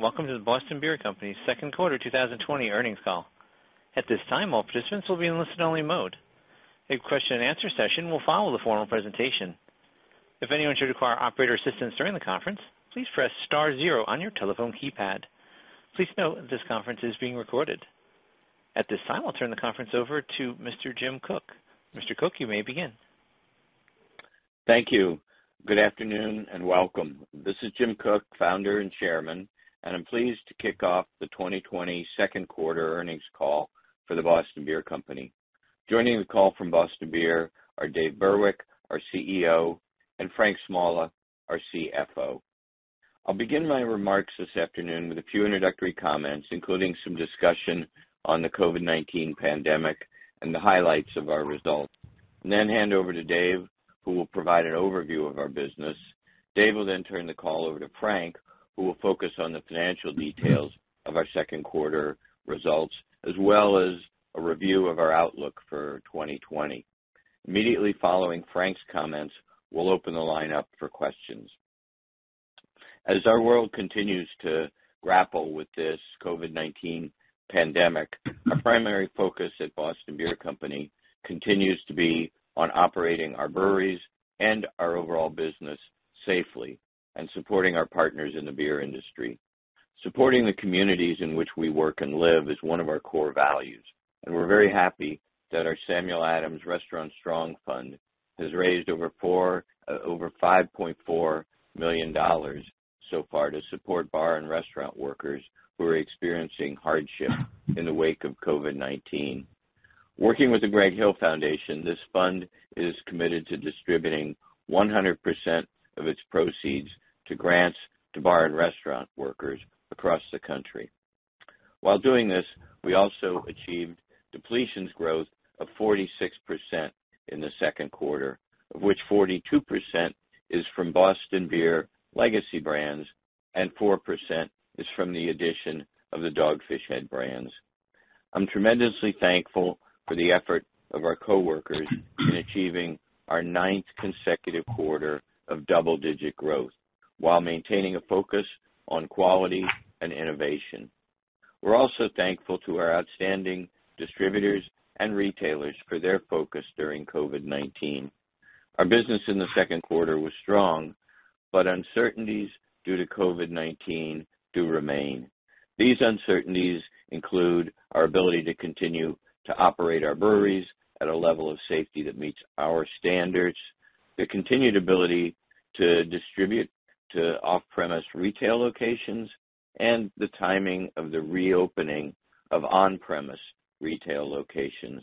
Welcome to the Boston Beer Company's Second Quarter 2020 Earnings Call. At this time, all participants will be in listen-only mode. A question-and-answer session will follow the formal presentation. If anyone should require operator assistance during the conference, please press star zero on your telephone keypad. Please note that this conference is being recorded. At this time, I'll turn the conference over to Mr. Jim Koch. Mr. Koch, you may begin. Thank you. Good afternoon and welcome. This is Jim Koch, Founder and Chairman, and I'm pleased to kick off the 2020 Second Quarter Earnings Call for the Boston Beer Company. Joining the call from Boston Beer are Dave Burwick, our CEO, and Frank Smalla, our CFO. I'll begin my remarks this afternoon with a few introductory comments, including some discussion on the COVID-19 pandemic and the highlights of our results, and then hand over to Dave, who will provide an overview of our business. Dave will then turn the call over to Frank, who will focus on the financial details of our second quarter results, as well as a review of our outlook for 2020. Immediately following Frank's comments, we'll open the line up for questions. As our world continues to grapple with this COVID-19 pandemic, our primary focus at Boston Beer Company continues to be on operating our breweries and our overall business safely and supporting our partners in the beer industry. Supporting the communities in which we work and live is one of our core values, and we're very happy that our Samuel Adams Restaurant Strong Fund has raised over $5.4 million so far to support bar and restaurant workers who are experiencing hardship in the wake of COVID-19. Working with the Greg Hill Foundation, this fund is committed to distributing 100% of its proceeds to grants to bar and restaurant workers across the country. While doing this, we also achieved depletions growth of 46% in the second quarter, of which 42% is from Boston Beer legacy brands and 4% is from the addition of the Dogfish Head brands. I'm tremendously thankful for the effort of our coworkers in achieving our ninth consecutive quarter of double-digit growth while maintaining a focus on quality and innovation. We're also thankful to our outstanding distributors and retailers for their focus during COVID-19. Our business in the second quarter was strong, but uncertainties due to COVID-19 do remain. These uncertainties include our ability to continue to operate our breweries at a level of safety that meets our standards, the continued ability to distribute to off-premise retail locations, and the timing of the reopening of on-premise retail locations.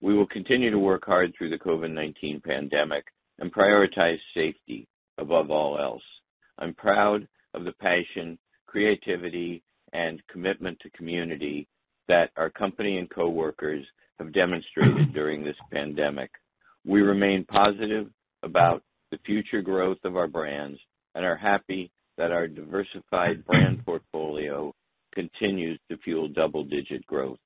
We will continue to work hard through the COVID-19 pandemic and prioritize safety above all else. I'm proud of the passion, creativity, and commitment to community that our company and coworkers have demonstrated during this pandemic. We remain positive about the future growth of our brands and are happy that our diversified brand portfolio continues to fuel double-digit growth.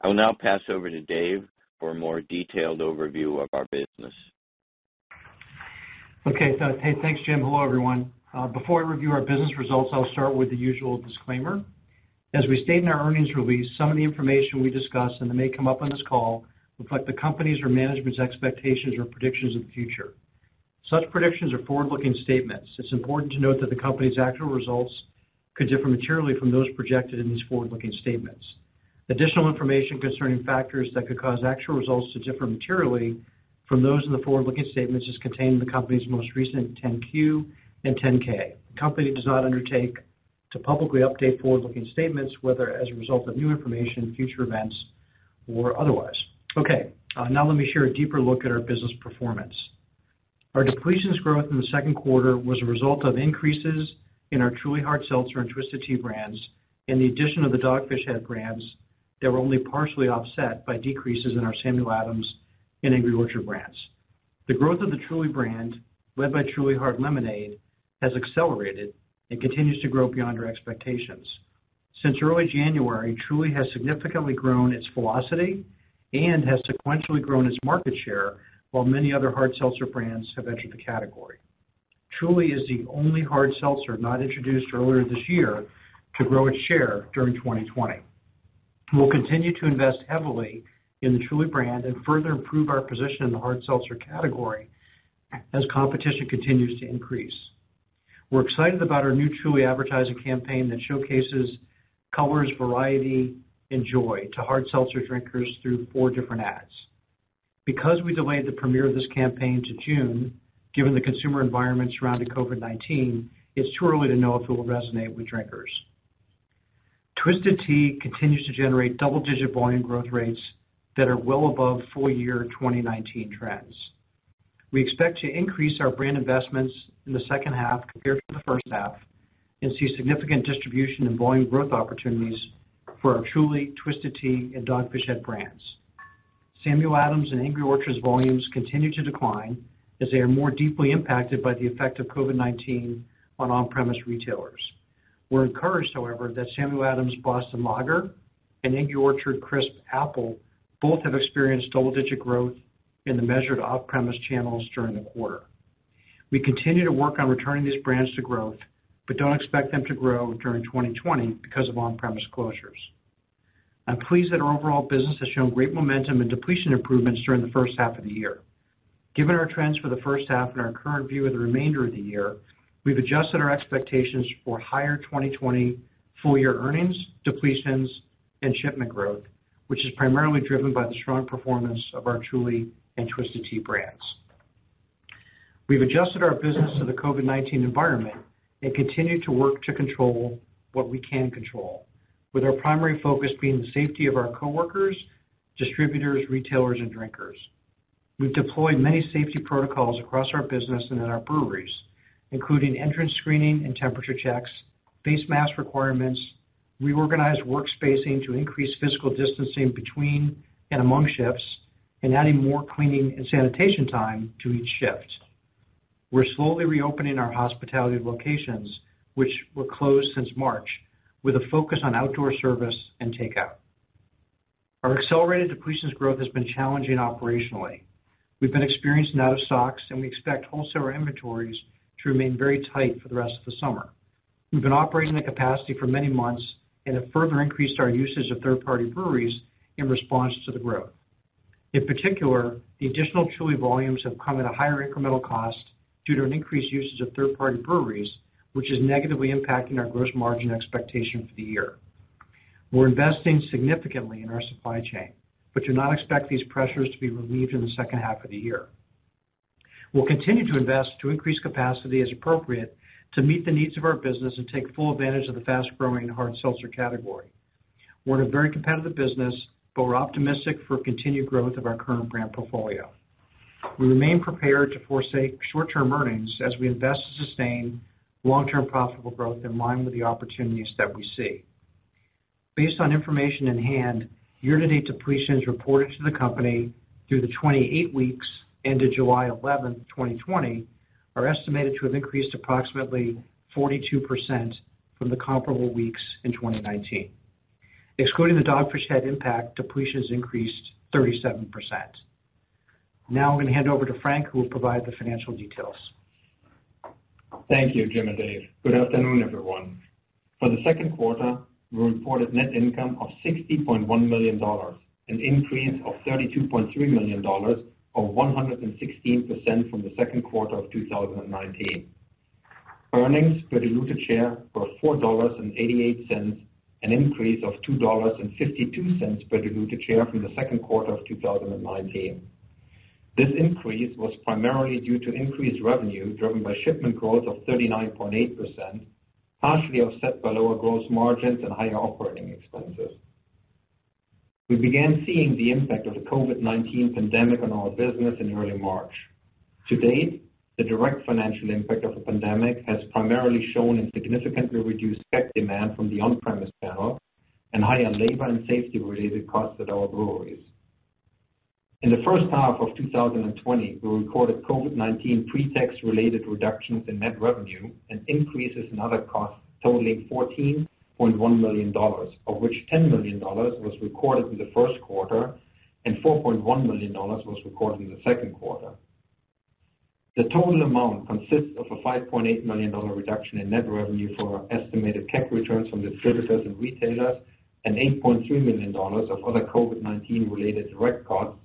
I will now pass over to Dave for a more detailed overview of our business. Okay. Thanks, Jim. Hello, everyone. Before I review our business results, I'll start with the usual disclaimer. As we state in our earnings release, some of the information we discuss and that may come up on this call reflect the company's or management's expectations or predictions of the future. Such predictions are forward-looking statements. It's important to note that the company's actual results could differ materially from those projected in these forward-looking statements. Additional information concerning factors that could cause actual results to differ materially from those in the forward-looking statements is contained in the company's most recent 10-Q and 10-K. The company does not undertake to publicly update forward-looking statements, whether as a result of new information, future events, or otherwise. Okay. Now let me share a deeper look at our business performance. Our depletions growth in the second quarter was a result of increases in our Truly Hard Seltzer and Twisted Tea brands and the addition of the Dogfish Head brands that were only partially offset by decreases in our Samuel Adams and Angry Orchard brands. The growth of the Truly brand, led by Truly Hard Lemonade, has accelerated and continues to grow beyond our expectations. Since early January, Truly has significantly grown its velocity and has sequentially grown its market share while many other hard seltzer brands have entered the category. Truly is the only hard seltzer not introduced earlier this year to grow its share during 2020. We'll continue to invest heavily in the Truly brand and further improve our position in the hard seltzer category as competition continues to increase. We're excited about our new Truly advertising campaign that showcases colors, variety, and joy to hard seltzer drinkers through four different ads. Because we delayed the premiere of this campaign to June, given the consumer environment surrounding COVID-19, it's too early to know if it will resonate with drinkers. Twisted Tea continues to generate double-digit volume growth rates that are well above full-year 2019 trends. We expect to increase our brand investments in the second half compared to the first half and see significant distribution and volume growth opportunities for our Truly, Twisted Tea, and Dogfish Head brands. Samuel Adams and Angry Orchard's volumes continue to decline as they are more deeply impacted by the effect of COVID-19 on on-premise retailers. We're encouraged, however, that Samuel Adams Boston Lager and Angry Orchard Crisp Apple both have experienced double-digit growth in the measured off-premise channels during the quarter. We continue to work on returning these brands to growth but don't expect them to grow during 2020 because of on-premise closures. I'm pleased that our overall business has shown great momentum in depletion improvements during the first half of the year. Given our trends for the first half and our current view of the remainder of the year, we've adjusted our expectations for higher 2020 full-year earnings, depletions, and shipment growth, which is primarily driven by the strong performance of our Truly and Twisted Tea brands. We've adjusted our business to the COVID-19 environment and continue to work to control what we can control, with our primary focus being the safety of our coworkers, distributors, retailers, and drinkers. We've deployed many safety protocols across our business and in our breweries, including entrance screening and temperature checks, face mask requirements, reorganized work spacing to increase physical distancing between and among shifts, and adding more cleaning and sanitation time to each shift. We're slowly reopening our hospitality locations, which were closed since March, with a focus on outdoor service and takeout. Our accelerated depletions growth has been challenging operationally. We've been experiencing out-of-stocks, and we expect wholesale inventories to remain very tight for the rest of the summer. We've been operating in capacity for many months, and it further increased our usage of third-party breweries in response to the growth. In particular, the additional Truly volumes have come at a higher incremental cost due to an increased usage of third-party breweries, which is negatively impacting our gross margin expectation for the year. We're investing significantly in our supply chain, but do not expect these pressures to be relieved in the second half of the year. We'll continue to invest to increase capacity as appropriate to meet the needs of our business and take full advantage of the fast-growing hard seltzer category. We're in a very competitive business, but we're optimistic for continued growth of our current brand portfolio. We remain prepared to forgo short-term earnings as we invest to sustain long-term profitable growth in line with the opportunities that we see. Based on information in hand, year-to-date depletions reported to the company through the 28 weeks ended July 11th, 2020, are estimated to have increased approximately 42% from the comparable weeks in 2019. Excluding the Dogfish Head impact, depletions increased 37%. Now I'm going to hand over to Frank, who will provide the financial details. Thank you, Jim and Dave. Good afternoon, everyone. For the second quarter, we reported net income of $60.1 million, an increase of $32.3 million, or 116% from the second quarter of 2019. Earnings per diluted share were $4.88, an increase of $2.52 per diluted share from the second quarter of 2019. This increase was primarily due to increased revenue driven by shipment growth of 39.8%, partially offset by lower gross margins and higher operating expenses. We began seeing the impact of the COVID-19 pandemic on our business in early March. To date, the direct financial impact of the pandemic has primarily shown up in significantly reduced demand from the on-premise channel and higher labor and safety-related costs at our breweries. In the first half of 2020, we recorded COVID-19 pretax-related reductions in net revenue and increases in other costs totaling $14.1 million, of which $10 million was recorded in the first quarter and $4.1 million was recorded in the second quarter. The total amount consists of a $5.8 million reduction in net revenue for estimated keg returns from distributors and retailers and $8.3 million of other COVID-19-related direct costs,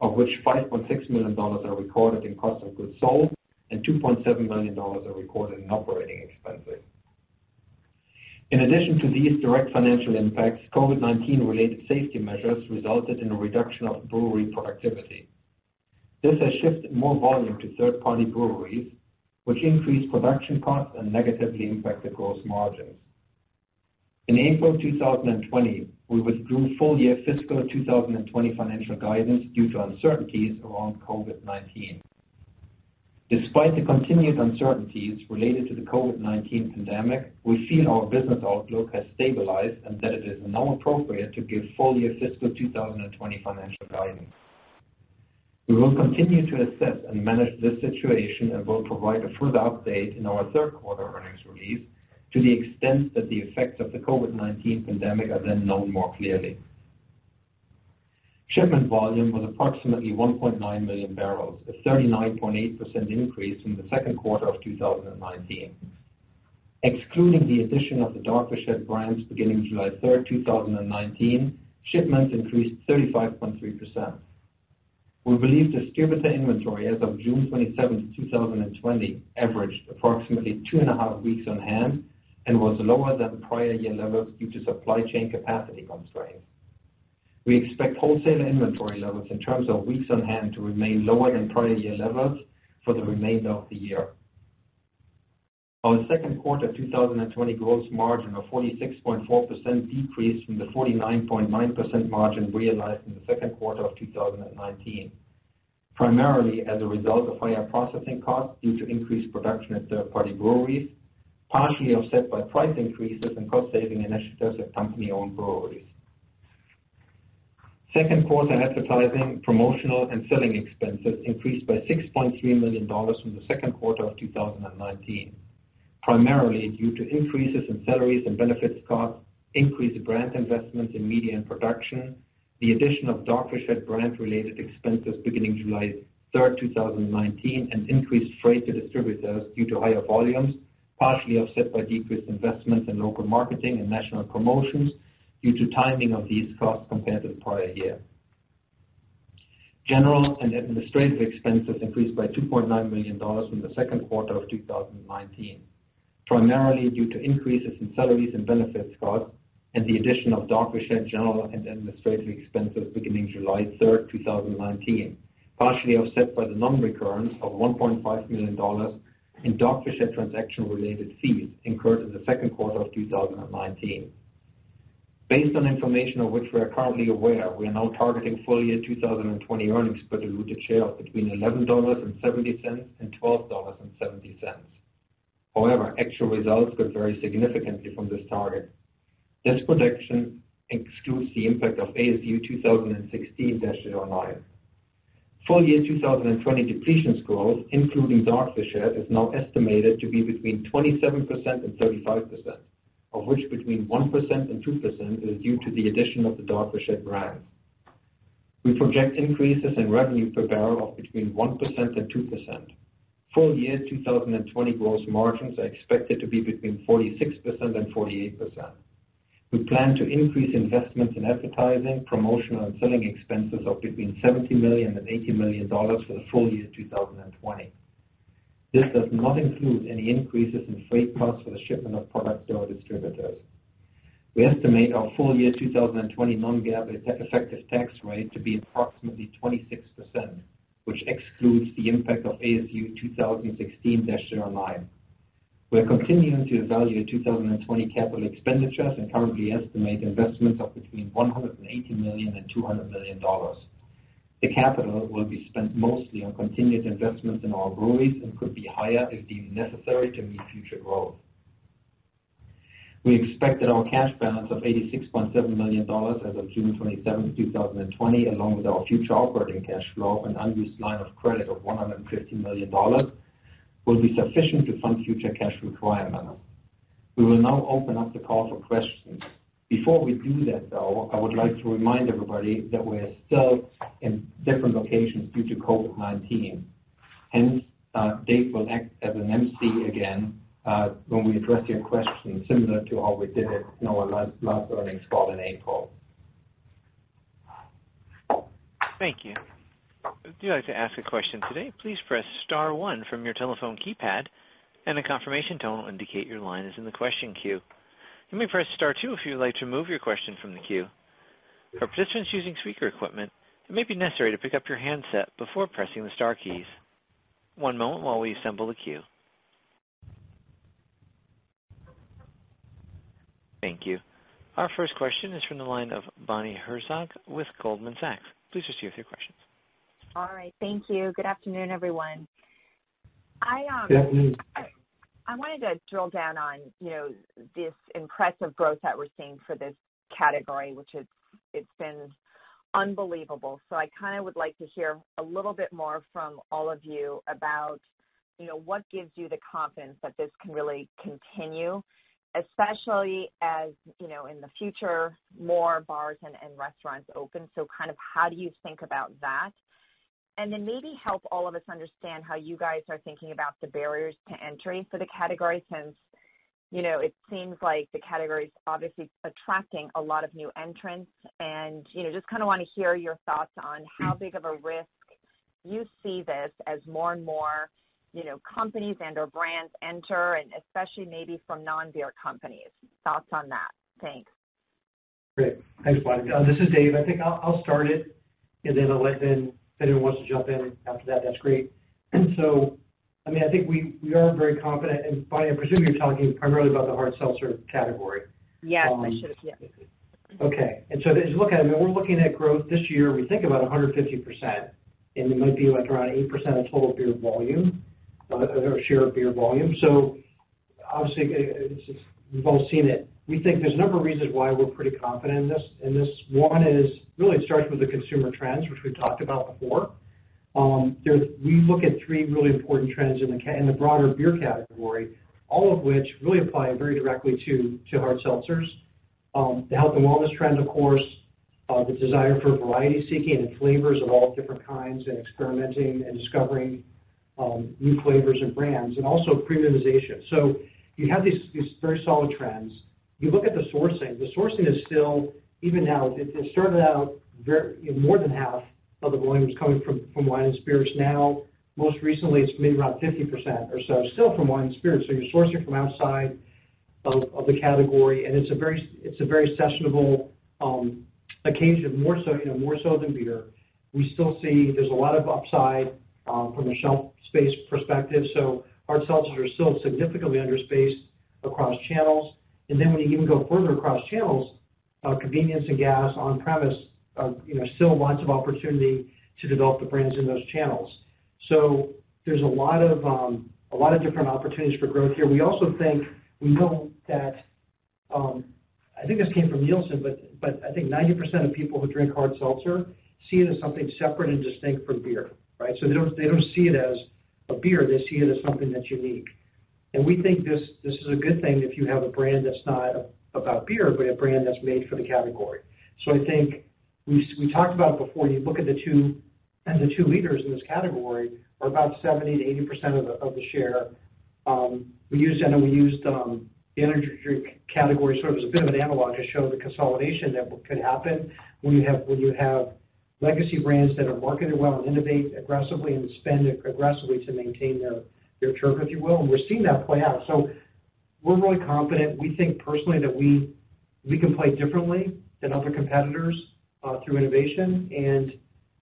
of which $5.6 million are recorded in cost of goods sold and $2.7 million are recorded in operating expenses. In addition to these direct financial impacts, COVID-19-related safety measures resulted in a reduction of brewery productivity. This has shifted more volume to third-party breweries, which increased production costs and negatively impacted gross margins. In April 2020, we withdrew full-year fiscal 2020 financial guidance due to uncertainties around COVID-19. Despite the continued uncertainties related to the COVID-19 pandemic, we feel our business outlook has stabilized and that it is now appropriate to give full-year fiscal 2020 financial guidance. We will continue to assess and manage this situation and will provide a further update in our third quarter earnings release to the extent that the effects of the COVID-19 pandemic are then known more clearly. Shipment volume was approximately 1.9 million barrels, a 39.8% increase from the second quarter of 2019. Excluding the addition of the Dogfish Head brands beginning July 3rd, 2019, shipments increased 35.3%. We believe distributor inventory as of June 27th, 2020, averaged approximately two and a half weeks on hand and was lower than prior year levels due to supply chain capacity constraints. We expect wholesale inventory levels in terms of weeks on hand to remain lower than prior year levels for the remainder of the year. Our second quarter 2020 gross margin of 46.4% decreased from the 49.9% margin realized in the second quarter of 2019, primarily as a result of higher processing costs due to increased production at third-party breweries, partially offset by price increases and cost-saving initiatives at company-owned breweries. Second quarter advertising, promotional, and selling expenses increased by $6.3 million from the second quarter of 2019, primarily due to increases in salaries and benefits costs, increased brand investments in media and production, the addition of Dogfish Head brand-related expenses beginning July 3rd, 2019, and increased freight to distributors due to higher volumes, partially offset by decreased investments in local marketing and national promotions due to timing of these costs compared to the prior year. General and administrative expenses increased by $2.9 million from the second quarter of 2019, primarily due to increases in salaries and benefits costs and the addition of Dogfish Head general and administrative expenses beginning July 3rd, 2019, partially offset by the non-recurrence of $1.5 million in Dogfish Head transaction-related fees incurred in the second quarter of 2019. Based on information of which we are currently aware, we are now targeting full-year 2020 earnings per diluted share of between $11.70 and $12.70. However, actual results could vary significantly from this target. This prediction excludes the impact of ASU 2016-09. Full-year 2020 depletions growth, including Dogfish Head, is now estimated to be between 27% and 35%, of which between 1% and 2% is due to the addition of the Dogfish Head brands. We project increases in revenue per barrel of between 1% and 2%. Full-year 2020 gross margins are expected to be between 46% and 48%. We plan to increase investments in advertising, promotional, and selling expenses of between $70 million and $80 million for the full year 2020. This does not include any increases in freight costs for the shipment of products to our distributors. We estimate our full-year 2020 non-GAAP effective tax rate to be approximately 26%, which excludes the impact of ASU 2016-09. We're continuing to evaluate 2020 capital expenditures and currently estimate investments of between $180 million and $200 million. The capital will be spent mostly on continued investments in our breweries and could be higher if deemed necessary to meet future growth. We expect that our cash balance of $86.7 million as of June 27th, 2020, along with our future operating cash flow and unused line of credit of $150 million, will be sufficient to fund future cash requirements. We will now open up the call for questions. Before we do that, though, I would like to remind everybody that we are still in different locations due to COVID-19. Hence, Dave will act as an emcee again when we address your questions similar to how we did it in our last earnings call in April. Thank you. If you'd like to ask a question today, please press star one from your telephone keypad, and the confirmation tone will indicate your line is in the question queue. You may press star two if you'd like to remove your question from the queue. For participants using speaker equipment, it may be necessary to pick up your handset before pressing the star keys. One moment while we assemble the queue. Thank you. Our first question is from the line of Bonnie Herzog with Goldman Sachs. Please proceed with your questions. All right. Thank you. Good afternoon, everyone. Good afternoon. I wanted to drill down on this impressive growth that we're seeing for this category, which it's been unbelievable. So I kind of would like to hear a little bit more from all of you about what gives you the confidence that this can really continue, especially as in the future, more bars and restaurants open. So kind of how do you think about that? And then maybe help all of us understand how you guys are thinking about the barriers to entry for the category, since it seems like the category is obviously attracting a lot of new entrants. And just kind of want to hear your thoughts on how big of a risk you see this as more and more companies and/or brands enter, and especially maybe from non-beer companies. Thoughts on that? Thanks. Great. Thanks, Bonnie. This is Dave. I think I'll start it, and then if anyone wants to jump in after that, that's great. So I mean, I think we are very confident. And Bonnie, I presume you're talking primarily about the hard seltzer category. Yes, I should have. Yeah. Okay. And so as you look at it, I mean, we're looking at growth this year. We think about 150%, and it might be around 8% of total beer volume or share of beer volume. So obviously, we've all seen it. We think there's a number of reasons why we're pretty confident in this. One is really it starts with the consumer trends, which we've talked about before. We look at three really important trends in the broader beer category, all of which really apply very directly to hard seltzers. The health and wellness trend, of course, the desire for variety-seeking and flavors of all different kinds and experimenting and discovering new flavors and brands, and also premiumization. So you have these very solid trends. You look at the sourcing. The sourcing is still, even now. It started out more than half of the volume was coming from wine and spirits. Now, most recently, it's been around 50% or so, still from wine and spirits. You're sourcing from outside of the category, and it's a very sessionable occasion, more so than beer. We still see there's a lot of upside from a shelf space perspective. Hard seltzers are still significantly under-spaced across channels. Then when you even go further across channels, convenience and gas on-premise are still lots of opportunity to develop the brands in those channels. There's a lot of different opportunities for growth here. We also think we know that. I think this came from Nielsen, but I think 90% of people who drink hard seltzer see it as something separate and distinct from beer, right? They don't see it as a beer. They see it as something that's unique, and we think this is a good thing if you have a brand that's not about beer, but a brand that's made for the category, so I think we talked about it before. You look at the two leaders in this category are about 70%-80% of the share. I know we used the energy drink category sort of as a bit of an analog to show the consolidation that could happen when you have legacy brands that are marketed well and innovate aggressively and spend aggressively to maintain their turf, if you will, and we're seeing that play out, so we're really confident. We think, personally, that we can play differently than other competitors through innovation. And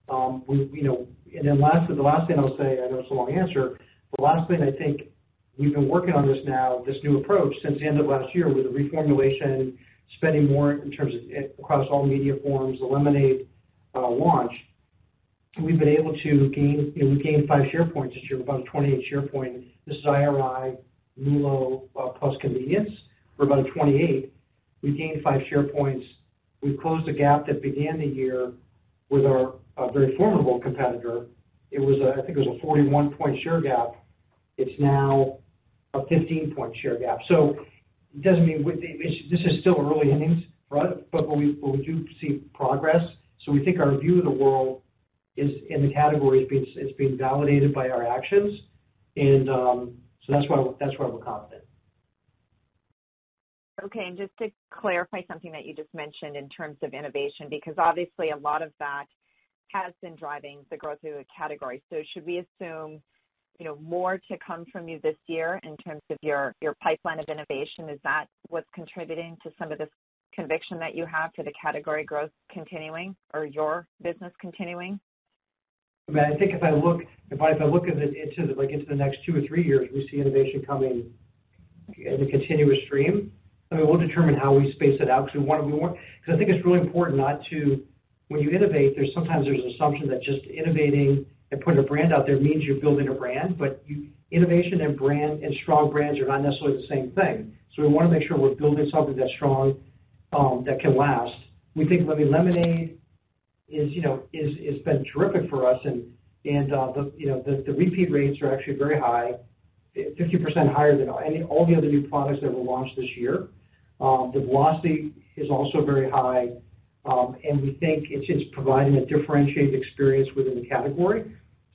then lastly, the last thing I'll say. I know it's a long answer, but lastly, I think we've been working on this now, this new approach since the end of last year with the reformulation, spending more in terms of across all media forms, the lemonade launch. We've been able to—we gained five share points this year, about a 28 share point. This is IRI, MULO, plus convenience for about 28. We gained five share points. We closed the gap that began the year with our very formidable competitor. I think it was a 41-point share gap. It's now a 15-point share gap. So it doesn't mean this is still early innings, but we do see progress. So we think our view of the world in the category is being validated by our actions. And so that's why we're confident. Okay. And just to clarify something that you just mentioned in terms of innovation, because obviously a lot of that has been driving the growth of the category. So should we assume more to come from you this year in terms of your pipeline of innovation, is that what's contributing to some of this conviction that you have for the category growth continuing or your business continuing? I mean, I think if I look at it into the next two or three years, we see innovation coming in a continuous stream. I mean, we'll determine how we space it out because I think it's really important not to when you innovate, sometimes there's an assumption that just innovating and putting a brand out there means you're building a brand, but innovation and strong brands are not necessarily the same thing. So we want to make sure we're building something that's strong that can last. We think, I mean, lemonade has been terrific for us, and the repeat rates are actually very high, 50% higher than all the other new products that were launched this year. The velocity is also very high, and we think it's providing a differentiated experience within the category.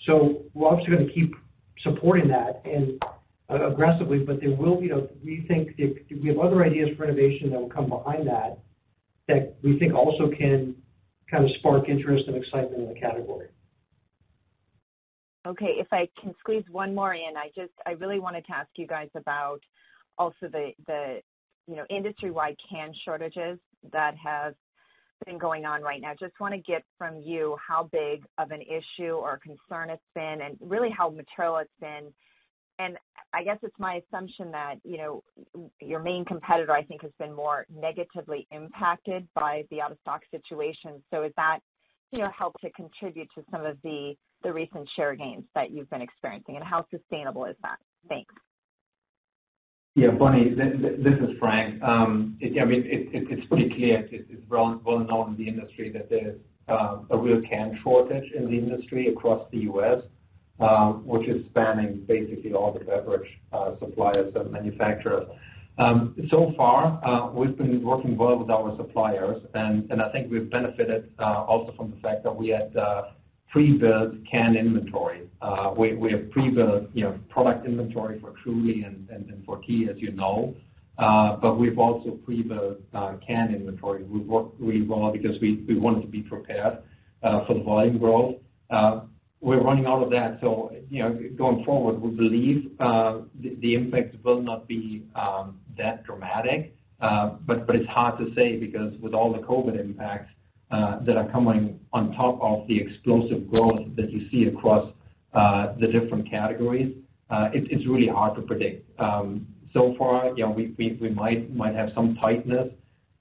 We're obviously going to keep supporting that aggressively, but we think we have other ideas for innovation that will come behind that that we think also can kind of spark interest and excitement in the category. Okay. If I can squeeze one more in, I really wanted to ask you guys about also the industry-wide can shortages that have been going on right now. Just want to get from you how big of an issue or concern it's been and really how material it's been, and I guess it's my assumption that your main competitor, I think, has been more negatively impacted by the out-of-stock situation, so has that helped to contribute to some of the recent share gains that you've been experiencing, and how sustainable is that? Thanks. Yeah. Bonnie, this is Frank. I mean, it's pretty clear. It's well known in the industry that there's a real can shortage in the industry across the U.S., which is spanning basically all the beverage suppliers and manufacturers. So far, we've been working well with our suppliers, and I think we've benefited also from the fact that we had pre-built can inventory. We have pre-built product inventory for Truly and for Tea, as you know, but we've also pre-built can inventory. We've worked really well because we wanted to be prepared for the volume growth. We're running out of that. So going forward, we believe the impact will not be that dramatic, but it's hard to say because with all the COVID impacts that are coming on top of the explosive growth that you see across the different categories, it's really hard to predict. So far, we might have some tightness,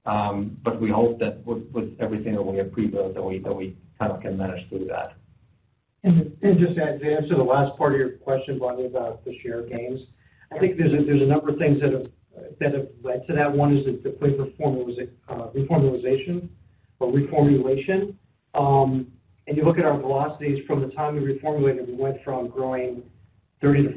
but we hope that with everything that we have pre-built, that we kind of can manage through that. Just to answer the last part of your question, Bonnie, about the share gains, I think there's a number of things that have led to that. One is the reformulation. You look at our velocities from the time we reformulated, we went from growing 30%-40%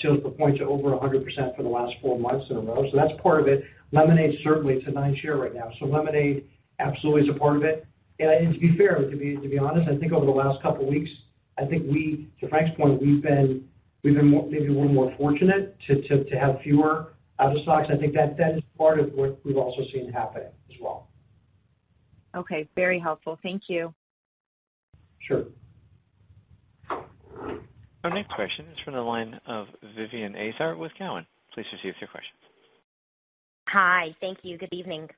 sales per point to over 100% for the last four months in a row. That's part of it. Lemonade certainly is a 9% share right now. So lemonade absolutely is a part of it. To be fair, to be honest, I think over the last couple of weeks, I think we, to Frank's point, we've been maybe a little more fortunate to have fewer out-of-stocks. I think that is part of what we've also seen happening as well. Okay. Very helpful. Thank you. Sure. Our next question is from the line of Vivien Azer with Cowen. Please proceed with your questions. Hi. Thank you. Good evening.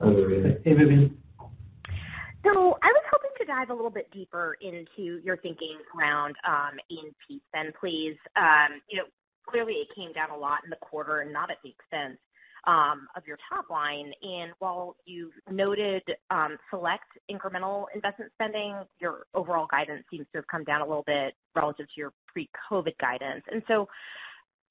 Hi, Vivien. So I was hoping to dive a little bit deeper into your thinking around A&P spend, please. Clearly, it came down a lot in the quarter and not a big percent of your top line. And while you've noted select incremental investment spending, your overall guidance seems to have come down a little bit relative to your pre-COVID guidance. And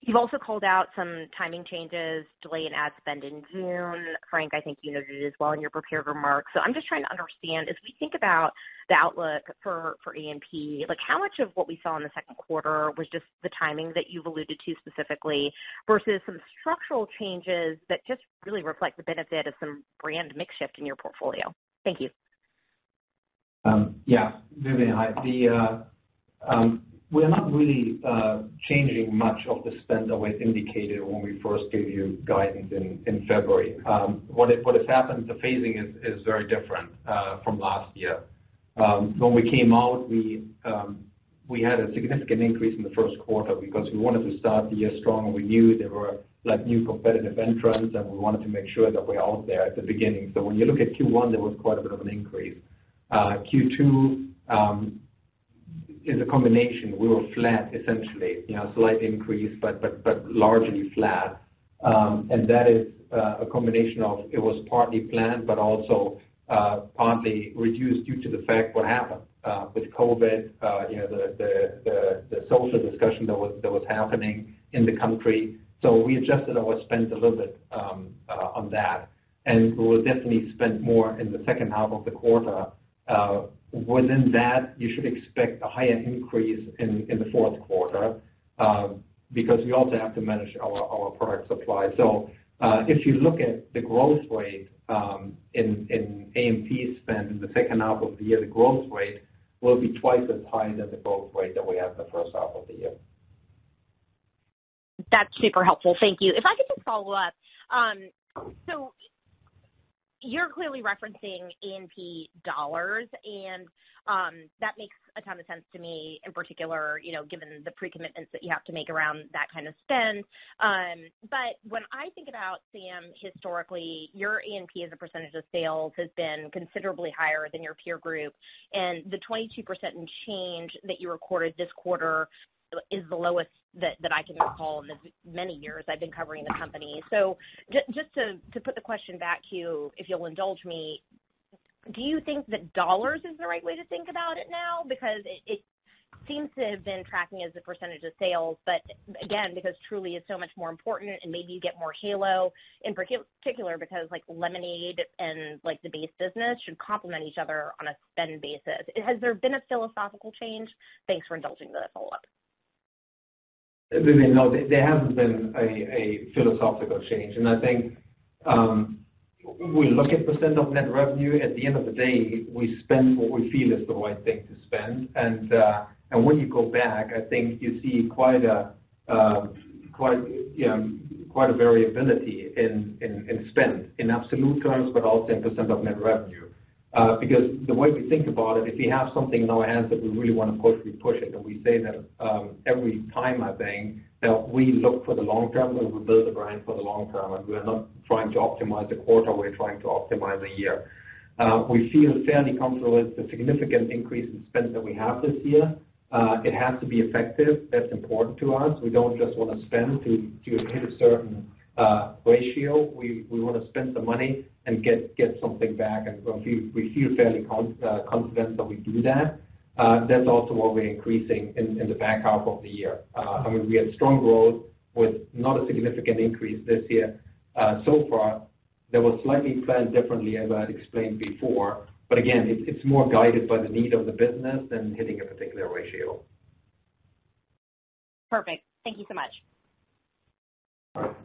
so you've also called out some timing changes, delay in ad spend in June. Frank, I think you noted it as well in your prepared remarks. So I'm just trying to understand, as we think about the outlook for A&P, how much of what we saw in the second quarter was just the timing that you've alluded to specifically versus some structural changes that just really reflect the benefit of some brand mix shift in your portfolio? Thank you. Yeah. Vivien, we're not really changing much of the spend that we indicated when we first gave you guidance in February. What has happened, the phasing is very different from last year. When we came out, we had a significant increase in the first quarter because we wanted to start the year strong. We knew there were new competitive entrants, and we wanted to make sure that we're out there at the beginning. So when you look at Q1, there was quite a bit of an increase. Q2 is a combination. We were flat, essentially, slight increase, but largely flat. And that is a combination of it was partly planned, but also partly reduced due to the fact what happened with COVID, the social discussion that was happening in the country. So we adjusted our spend a little bit on that. We will definitely spend more in the second half of the quarter. Within that, you should expect a higher increase in the fourth quarter because we also have to manage our product supply. If you look at the growth rate in A&P spend in the second half of the year, the growth rate will be twice as high than the growth rate that we had in the first half of the year. That's super helpful. Thank you. If I could just follow up. So you're clearly referencing A&P dollars, and that makes a ton of sense to me in particular, given the pre-commitments that you have to make around that kind of spend, but when I think about, Sam, historically, your A&P as a percentage of sales has been considerably higher than your peer group, and the 22% and change that you recorded this quarter is the lowest that I can recall in many years I've been covering the company, so just to put the question back to you, if you'll indulge me, do you think that dollars is the right way to think about it now? Because it seems to have been tracking as a percentage of sales, but again, because Truly is so much more important and maybe you get more halo in particular because lemonade and the base business should complement each other on a spend basis. Has there been a philosophical change? Thanks for indulging the follow-up. Vivien, no, there hasn't been a philosophical change, and I think we look at percent of net revenue. At the end of the day, we spend what we feel is the right thing to spend, and when you go back, I think you see quite a variability in spend in absolute terms, but also in percent of net revenue. Because the way we think about it, if we have something in our hands that we really want to push, we push it, and we say that every time, I think, that we look for the long term, we will build a brand for the long term, and we are not trying to optimize a quarter. We're trying to optimize a year. We feel fairly comfortable with the significant increase in spend that we have this year. It has to be effective. That's important to us. We don't just want to spend to hit a certain ratio. We want to spend the money and get something back, and we feel fairly confident that we do that. That's also what we're increasing in the back half of the year. I mean, we had strong growth with not a significant increase this year so far, it was slightly planned differently, as I explained before, but again, it's more guided by the need of the business than hitting a particular ratio. Perfect. Thank you so much. All right.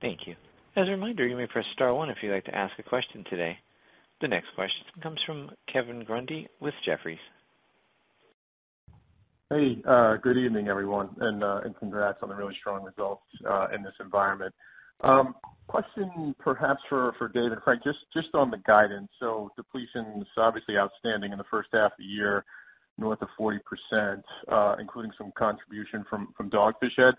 Thank you. As a reminder, you may press star one if you'd like to ask a question today. The next question comes from Kevin Grundy with Jefferies. Hey. Good evening, everyone, and congrats on the really strong results in this environment. Question perhaps for Dave and Frank, just on the guidance. Depletion is obviously outstanding in the first half of the year, north of 40%, including some contribution from Dogfish Head.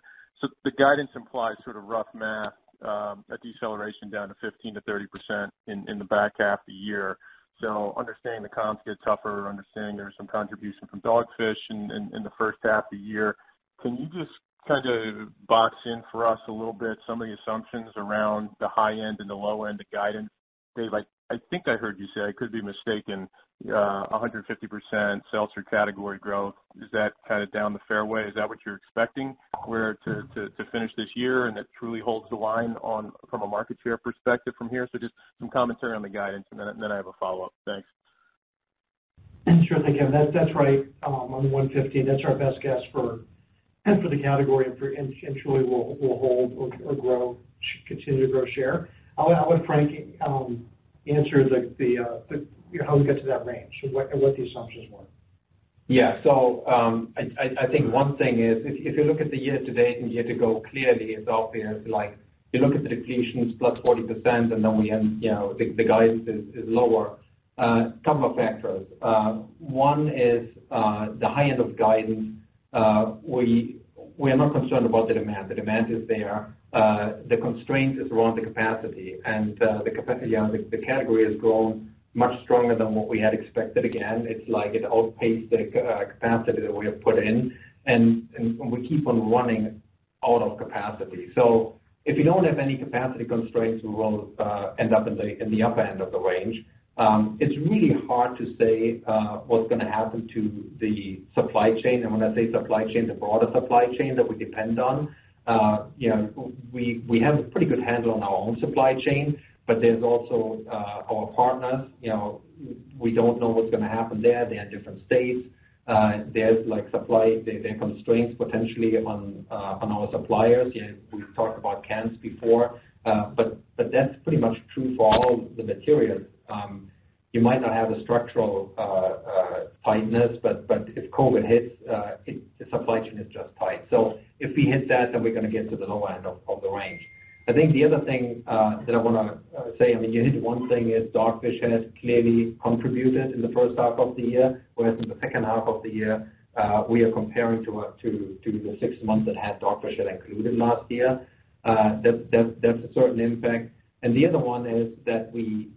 The guidance implies sort of rough math, a deceleration down to 15%-30% in the back half of the year. Understanding the comps get tougher, understanding there's some contribution from Dogfish Head in the first half of the year. Can you just kind of box in for us a little bit some of the assumptions around the high end and the low end of guidance? Dave, I think I heard you say I could be mistaken. 150% sales per category growth. Is that kind of down the fairway? Is that what you're expecting to finish this year? And it truly holds the line from a market share perspective from here. So just some commentary on the guidance, and then I have a follow-up. Thanks. And sure, thank you. That's right on 150%. That's our best guess for the category. And Truly, we'll hold or continue to grow share. I'll let Frank answer how we get to that range and what the assumptions were. Yeah. So I think one thing is if you look at the year-to-date and year-to-go clearly, it's obvious. You look at the depletions, plus 40%, and then the guidance is lower. A couple of factors. One is the high end of guidance. We are not concerned about the demand. The demand is there. The constraint is around the capacity, and the category has grown much stronger than what we had expected. Again, it's like it outpaced the capacity that we have put in, and we keep on running out of capacity, so if you don't have any capacity constraints, we will end up in the upper end of the range. It's really hard to say what's going to happen to the supply chain. And when I say supply chain, the broader supply chain that we depend on, we have a pretty good handle on our own supply chain, but there's also our partners. We don't know what's going to happen there. They're in different states. There's constraints potentially on our suppliers. We've talked about cans before, but that's pretty much true for all the materials. You might not have a structural tightness, but if COVID hits, the supply chain is just tight. So if we hit that, then we're going to get to the lower end of the range. I think the other thing that I want to say, I mean, you hit one thing is Dogfish Head has clearly contributed in the first half of the year, whereas in the second half of the year, we are comparing to the six months that had Dogfish Head included last year. That's a certain impact. And the other one is that,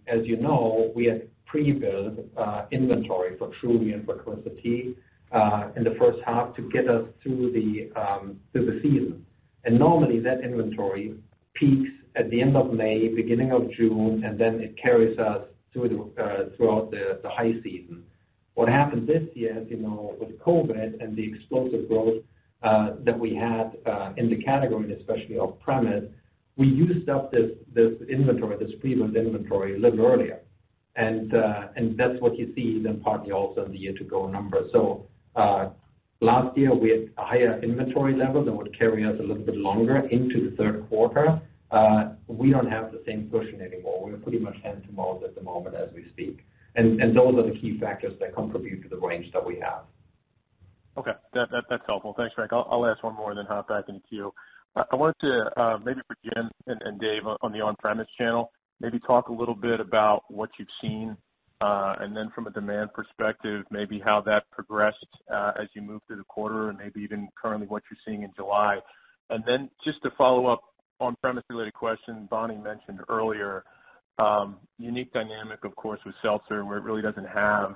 as you know, we had pre-built inventory for Truly and for Twisted Tea in the first half to get us through the season. And normally, that inventory peaks at the end of May, beginning of June, and then it carries us throughout the high season. What happened this year with COVID and the explosive growth that we had in the category, and especially off-premise, we used up this inventory, this pre-built inventory a little earlier. And that's what you see then partly also in the year-to-date numbers. So last year, we had a higher inventory level that would carry us a little bit longer into the third quarter. We don't have the same cushion anymore. We're pretty much hand-to-mouth at the moment as we speak. And those are the key factors that contribute to the range that we have. Okay. That's helpful. Thanks, Frank. I'll ask one more and then hop back into you. I wanted to maybe begin and Dave on the on-premise channel, maybe talk a little bit about what you've seen, and then from a demand perspective, maybe how that progressed as you move through the quarter and maybe even currently what you're seeing in July. And then just to follow up on premise-related question, Bonnie mentioned earlier, unique dynamic, of course, with Seltzer, where it really doesn't have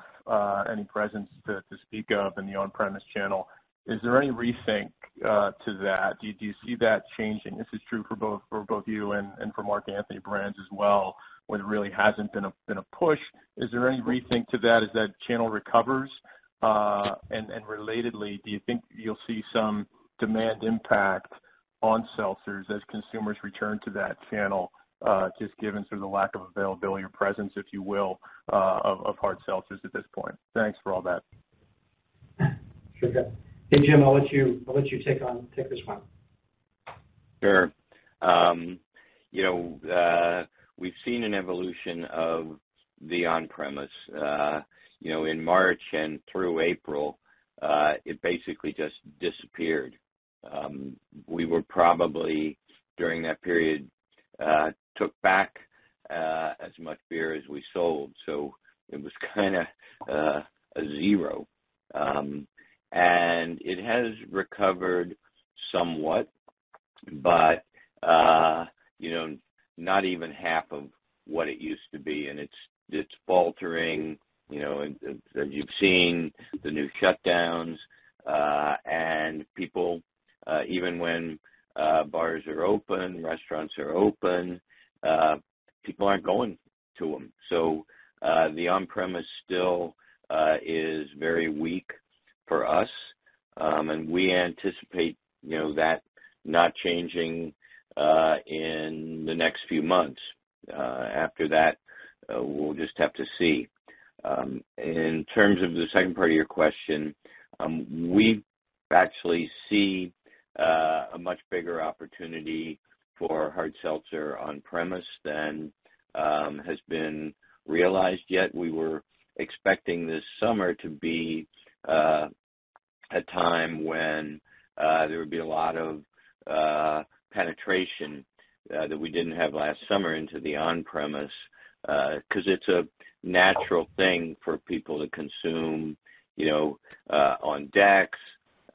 any presence to speak of in the on-premise channel. Is there any rethink to that? Do you see that changing? This is true for both you and for Mark Anthony Brands as well, where there really hasn't been a push. Is there any rethink to that as that channel recovers? And relatedly, do you think you'll see some demand impact on seltzers as consumers return to that channel, just given sort of the lack of availability or presence, if you will, of hard seltzers at this point? Thanks for all that. Sure. Hey, Jim, I'll let you take this one. Sure. We've seen an evolution of the on-premise. In March and through April, it basically just disappeared. We were probably during that period, took back as much beer as we sold. So it was kind of a zero. And it has recovered somewhat, but not even half of what it used to be. And it's faltering. As you've seen the new shutdowns, and people, even when bars are open, restaurants are open, people aren't going to them. So the on-premise still is very weak for us. And we anticipate that not changing in the next few months. After that, we'll just have to see. In terms of the second part of your question, we actually see a much bigger opportunity for hard seltzer on-premise than has been realized yet. We were expecting this summer to be a time when there would be a lot of penetration that we didn't have last summer into the on-premise because it's a natural thing for people to consume on decks,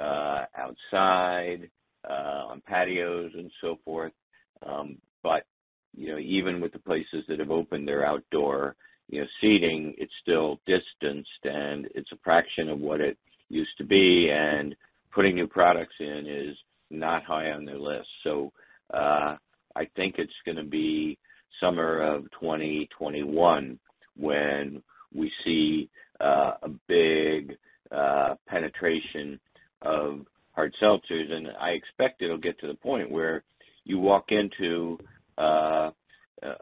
outside, on patios, and so forth. But even with the places that have opened their outdoor seating, it's still distanced, and it's a fraction of what it used to be. And putting new products in is not high on their list. So I think it's going to be summer of 2021 when we see a big penetration of hard seltzers. And I expect it'll get to the point where you walk into a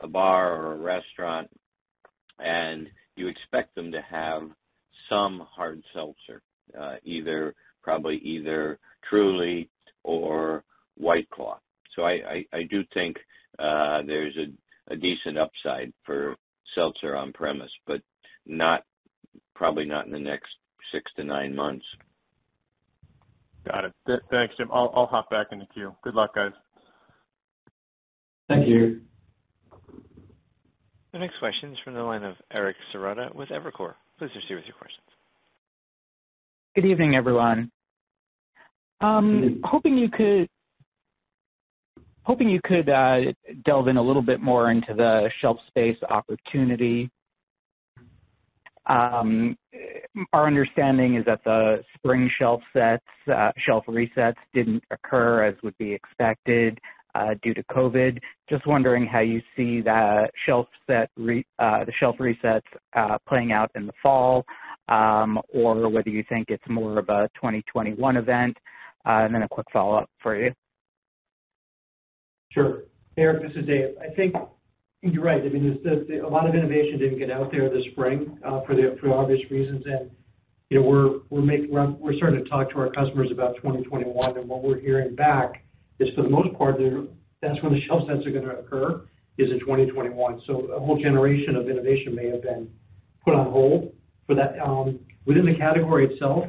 bar or a restaurant, and you expect them to have some hard seltzer, probably either Truly or White Claw. So I do think there's a decent upside for seltzer on-premise, but probably not in the next six to nine months. Got it. Thanks, Jim. I'll hop back into queue. Good luck, guys. Thank you. The next question is from the line of Eric Serotta with Evercore. Please proceed with your questions. Good evening, everyone. Hoping you could delve in a little bit more into the shelf space opportunity. Our understanding is that the spring shelf resets didn't occur as would be expected due to COVID. Just wondering how you see the shelf resets playing out in the fall or whether you think it's more of a 2021 event, and then a quick follow-up for you. Sure. Eric, this is Dave. I think you're right. I mean, a lot of innovation didn't get out there this spring for obvious reasons, and we're starting to talk to our customers about 2021. And what we're hearing back is, for the most part, that's when the shelf sets are going to occur, is in 2021. So a whole generation of innovation may have been put on hold. Within the category itself,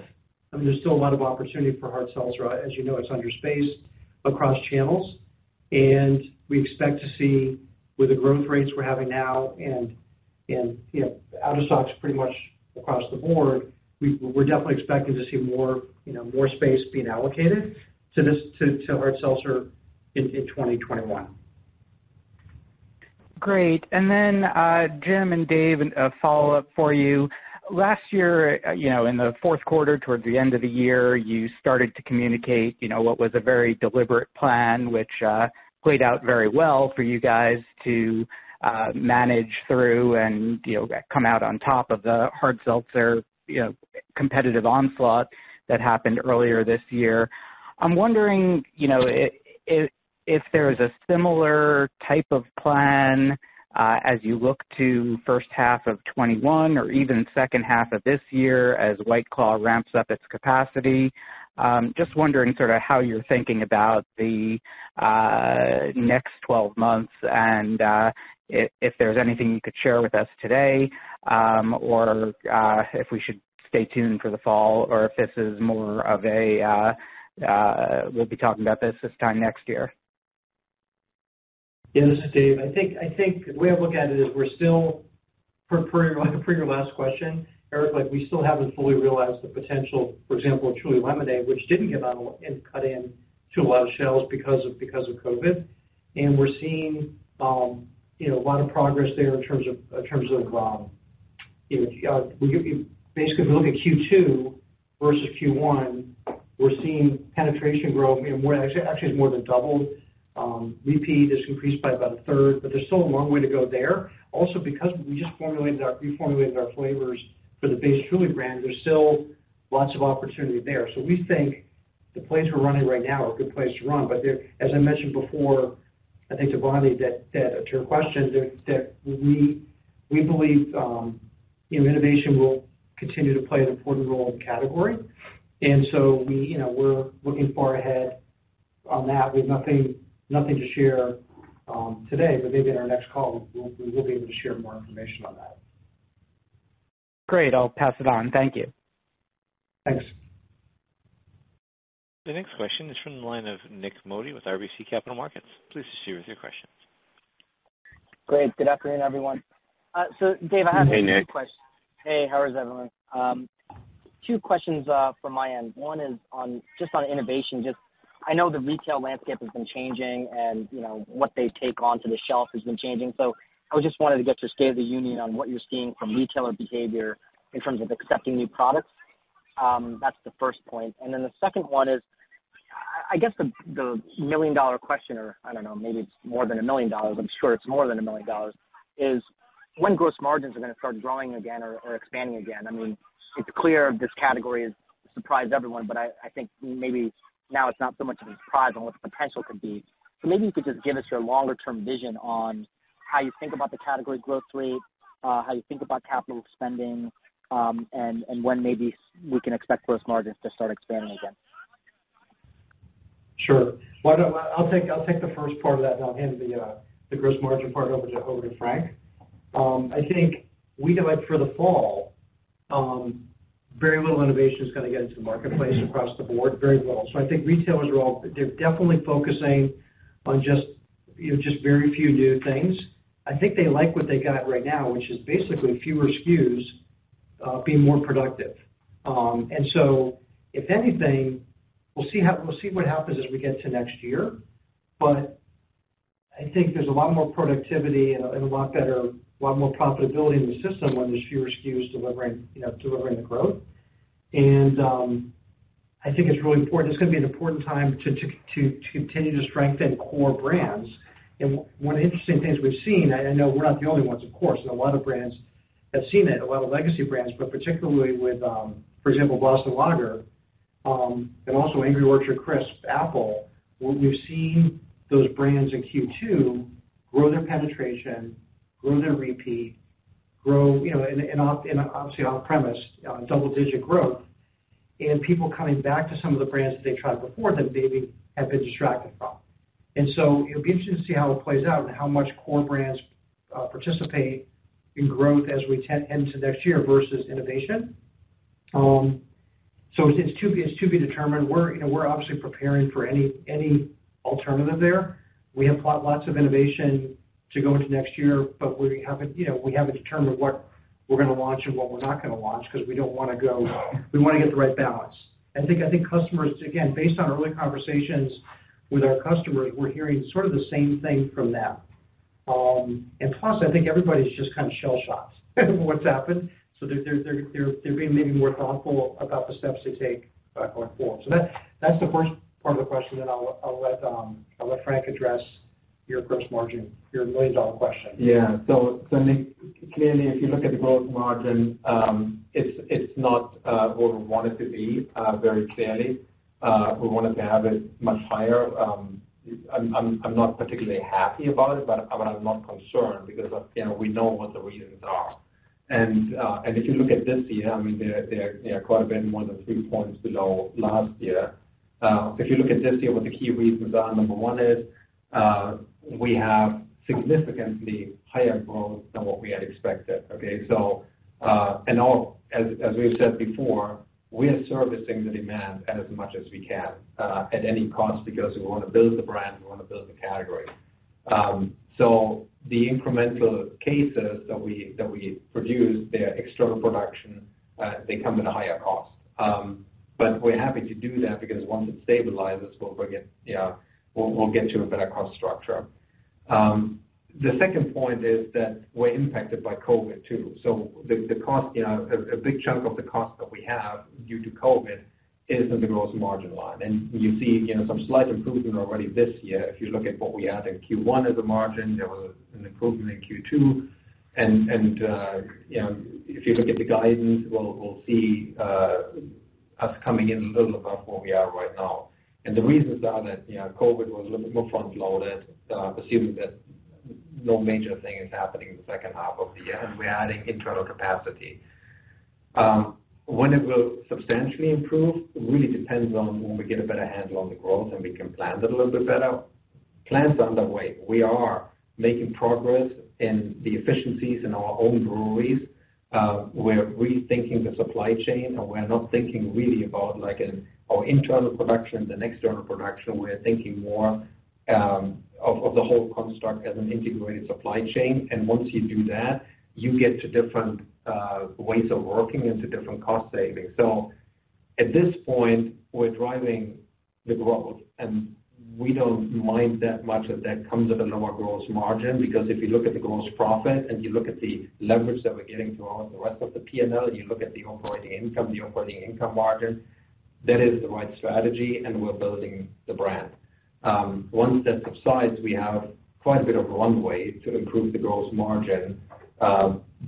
I mean, there's still a lot of opportunity for hard seltzer. As you know, it's underspaced across channels, and we expect to see, with the growth rates we're having now and out of stocks pretty much across the board, we're definitely expecting to see more space being allocated to hard seltzer in 2021. Great. And then, Jim and Dave, a follow-up for you. Last year, in the fourth quarter towards the end of the year, you started to communicate what was a very deliberate plan, which played out very well for you guys to manage through and come out on top of the hard seltzer competitive onslaught that happened earlier this year. I'm wondering if there is a similar type of plan as you look to first half of 2021 or even second half of this year as White Claw ramps up its capacity. Just wondering sort of how you're thinking about the next 12 months and if there's anything you could share with us today or if we should stay tuned for the fall or if this is more of a, "We'll be talking about this this time next year. Yeah, this is Dave. I think the way I look at it is we're still, like your last question, Eric, we still haven't fully realized the potential, for example, Truly Lemonade, which didn't get on and cut into a lot of shelves because of COVID. And we're seeing a lot of progress there in terms of basically, if you look at Q2 versus Q1, we're seeing penetration grow, actually more than doubled. Repeat has increased by about a third, but there's still a long way to go there. Also, because we just reformulated our flavors for the base Truly brand, there's still lots of opportunity there. So we think the pace we're running right now is a good pace to run. But as I mentioned before, I think to Bonnie, to your question, that we believe innovation will continue to play an important role in the category. We're looking far ahead on that. We have nothing to share today, but maybe in our next call, we will be able to share more information on that. Great. I'll pass it on. Thank you. Thanks. The next question is from the line of Nik Modi with RBC Capital Markets. Please proceed with your questions. Great. Good afternoon, everyone. So Dave, I have two questions. Hey, Nik. Hey, how is everyone? Two questions from my end. One is just on innovation. I know the retail landscape has been changing and what they take onto the shelf has been changing. So I just wanted to get your state of the union on what you're seeing from retailer behavior in terms of accepting new products. That's the first point. And then the second one is, I guess the million-dollar question, or I don't know, maybe it's more than a million dollars. I'm sure it's more than a million dollars, is when gross margins are going to start growing again or expanding again. I mean, it's clear this category has surprised everyone, but I think maybe now it's not so much of a surprise on what the potential could be. So maybe you could just give us your longer-term vision on how you think about the category growth rate, how you think about capital spending, and when maybe we can expect gross margins to start expanding again? Sure. I'll take the first part of that, and I'll hand the gross margin part over to Frank. I think we know for the fall, very little innovation is going to get into the marketplace across the board, very little. So I think retailers are all definitely focusing on just very few new things. I think they like what they got right now, which is basically fewer SKUs being more productive. And so if anything, we'll see what happens as we get to next year. But I think there's a lot more productivity and a lot more profitability in the system when there's fewer SKUs delivering the growth. And I think it's really important. It's going to be an important time to continue to strengthen core brands. One of the interesting things we've seen, I know we're not the only ones, of course, and a lot of brands have seen it, a lot of legacy brands, but particularly with, for example, Boston Lager, and also Angry Orchard Crisp Apple, we've seen those brands in Q2 grow their penetration, grow their repeat, grow, and obviously on-premise double-digit growth, and people coming back to some of the brands that they tried before that maybe had been distracted from, and so it'll be interesting to see how it plays out and how much core brands participate in growth as we head into next year versus innovation, so it's to be determined. We're obviously preparing for any alternative there. We have lots of innovation to go into next year, but we haven't determined what we're going to launch and what we're not going to launch because we don't want to go. We want to get the right balance. I think customers, again, based on early conversations with our customers, we're hearing sort of the same thing from them, and plus, I think everybody's just kind of shell-shocked at what's happened, so they're being maybe more thoughtful about the steps to take going forward, so that's the first part of the question, and I'll let Frank address your gross margin, your million-dollar question. Yeah. So Nik, clearly, if you look at the gross margin, it's not where we want it to be, very clearly. We wanted to have it much higher. I'm not particularly happy about it, but I'm not concerned because we know what the reasons are. And if you look at this year, I mean, they're quite a bit more than three points below last year. If you look at this year, what the key reasons are, number one is we have significantly higher growth than what we had expected, okay? And as we've said before, we are servicing the demand as much as we can at any cost because we want to build the brand, we want to build the category. So the incremental cases that we produce, there external production, they come at a higher cost. but we're happy to do that because once it stabilizes, we'll get to a better cost structure. The second point is that we're impacted by COVID too. So a big chunk of the cost that we have due to COVID is in the gross margin line. And you see some slight improvement already this year. If you look at what we had in Q1 as a margin, there was an improvement in Q2. And if you look at the guidance, we'll see us coming in a little above where we are right now. And the reasons are that COVID was a little bit more front-loaded, assuming that no major thing is happening in the second half of the year, and we're adding internal capacity. When it will substantially improve, it really depends on when we get a better handle on the growth and we can plan it a little bit better. Plans are underway. We are making progress in the efficiencies in our own breweries. We're rethinking the supply chain, and we're not thinking really about our internal production and external production. We're thinking more of the whole construct as an integrated supply chain, and once you do that, you get to different ways of working and to different cost savings. So at this point, we're driving the growth, and we don't mind that much that that comes at a lower gross margin because if you look at the gross profit and you look at the leverage that we're getting throughout the rest of the P&L, and you look at the operating income, the operating income margin, that is the right strategy, and we're building the brand. Once that subsides, we have quite a bit of runway to improve the gross margin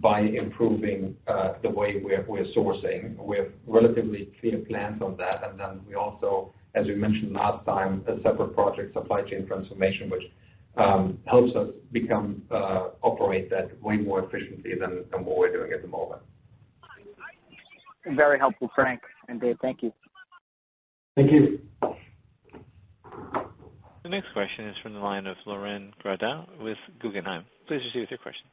by improving the way we're sourcing. We have relatively clear plans on that. And then we also, as we mentioned last time, a separate project, supply chain transformation, which helps us operate that way more efficiently than what we're doing at the moment. Very helpful, Frank and Dave. Thank you. Thank you. The next question is from the line of Laurent Grandet with Guggenheim. Please proceed with your question.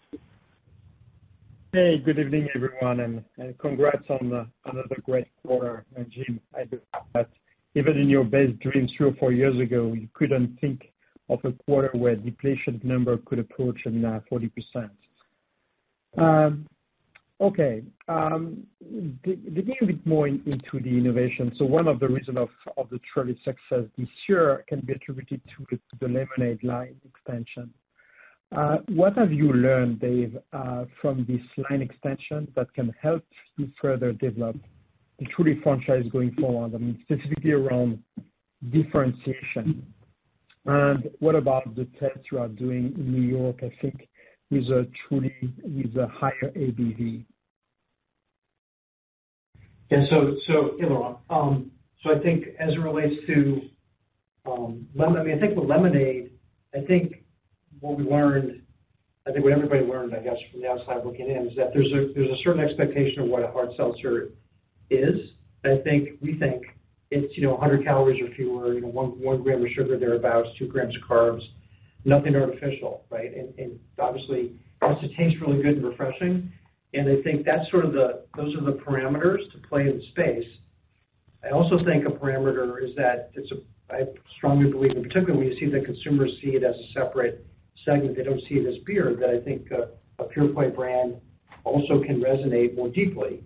Hey, good evening, everyone. Congrats on another great quarter. Jim, I do that even in your best dreams three or four years ago, you couldn't think of a quarter where a depletion number could approach 40%. Okay. Digging a bit more into the innovation. One of the reasons for the Truly success this year can be attributed to the lemonade line extension. What have you learned, Dave, from this line extension that can help you further develop the Truly franchise going forward, specifically around differentiation? What about the tests you are doing in New York, I think, with a higher ABV? Yeah. So I think as it relates to, I mean, I think with lemonade, I think what we learned, I think what everybody learned, I guess, from the outside looking in, is that there's a certain expectation of what a hard seltzer is. I think we think it's 100 calories or fewer, 1g of sugar thereabouts, 2g of carbs, nothing artificial, right? And obviously, it has to taste really good and refreshing. And I think that's sort of those are the parameters to play in the space. I also think a parameter is that I strongly believe, and particularly when you see that consumers see it as a separate segment, they don't see it as beer, that I think a pure-play brand also can resonate more deeply.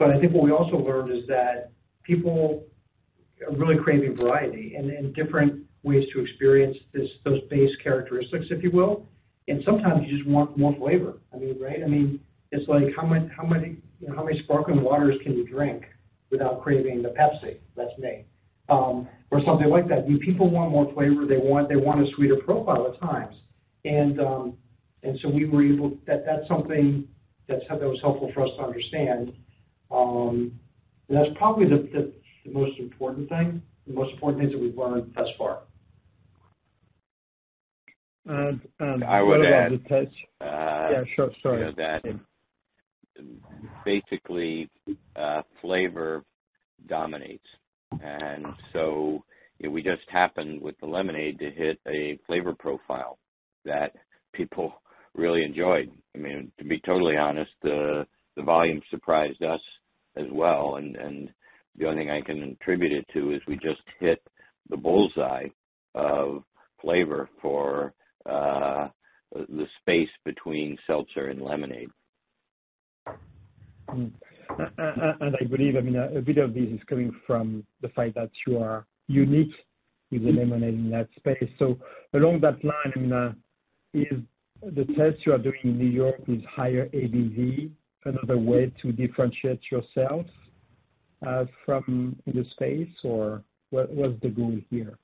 But I think what we also learned is that people are really craving variety and different ways to experience those base characteristics, if you will. And sometimes you just want more flavor, right? I mean, it's like how many sparkling waters can you drink without craving the Pepsi? That's me. Or something like that. I mean, people want more flavor. They want a sweeter profile at times. And so we were able. That's something that was helpful for us to understand. And that's probably the most important thing, the most important things that we've learned thus far. I would add a touch. Yeah, sure. Sorry. Basically, flavor dominates. And so we just happened with the lemonade to hit a flavor profile that people really enjoyed. I mean, to be totally honest, the volume surprised us as well. And the only thing I can attribute it to is we just hit the bullseye of flavor for the space between seltzer and lemonade. And I believe, I mean, a bit of this is coming from the fact that you are unique with the lemonade in that space. So along that line, I mean, is the test you are doing in New York higher ABV another way to differentiate yourself from the space, or what's the goal here?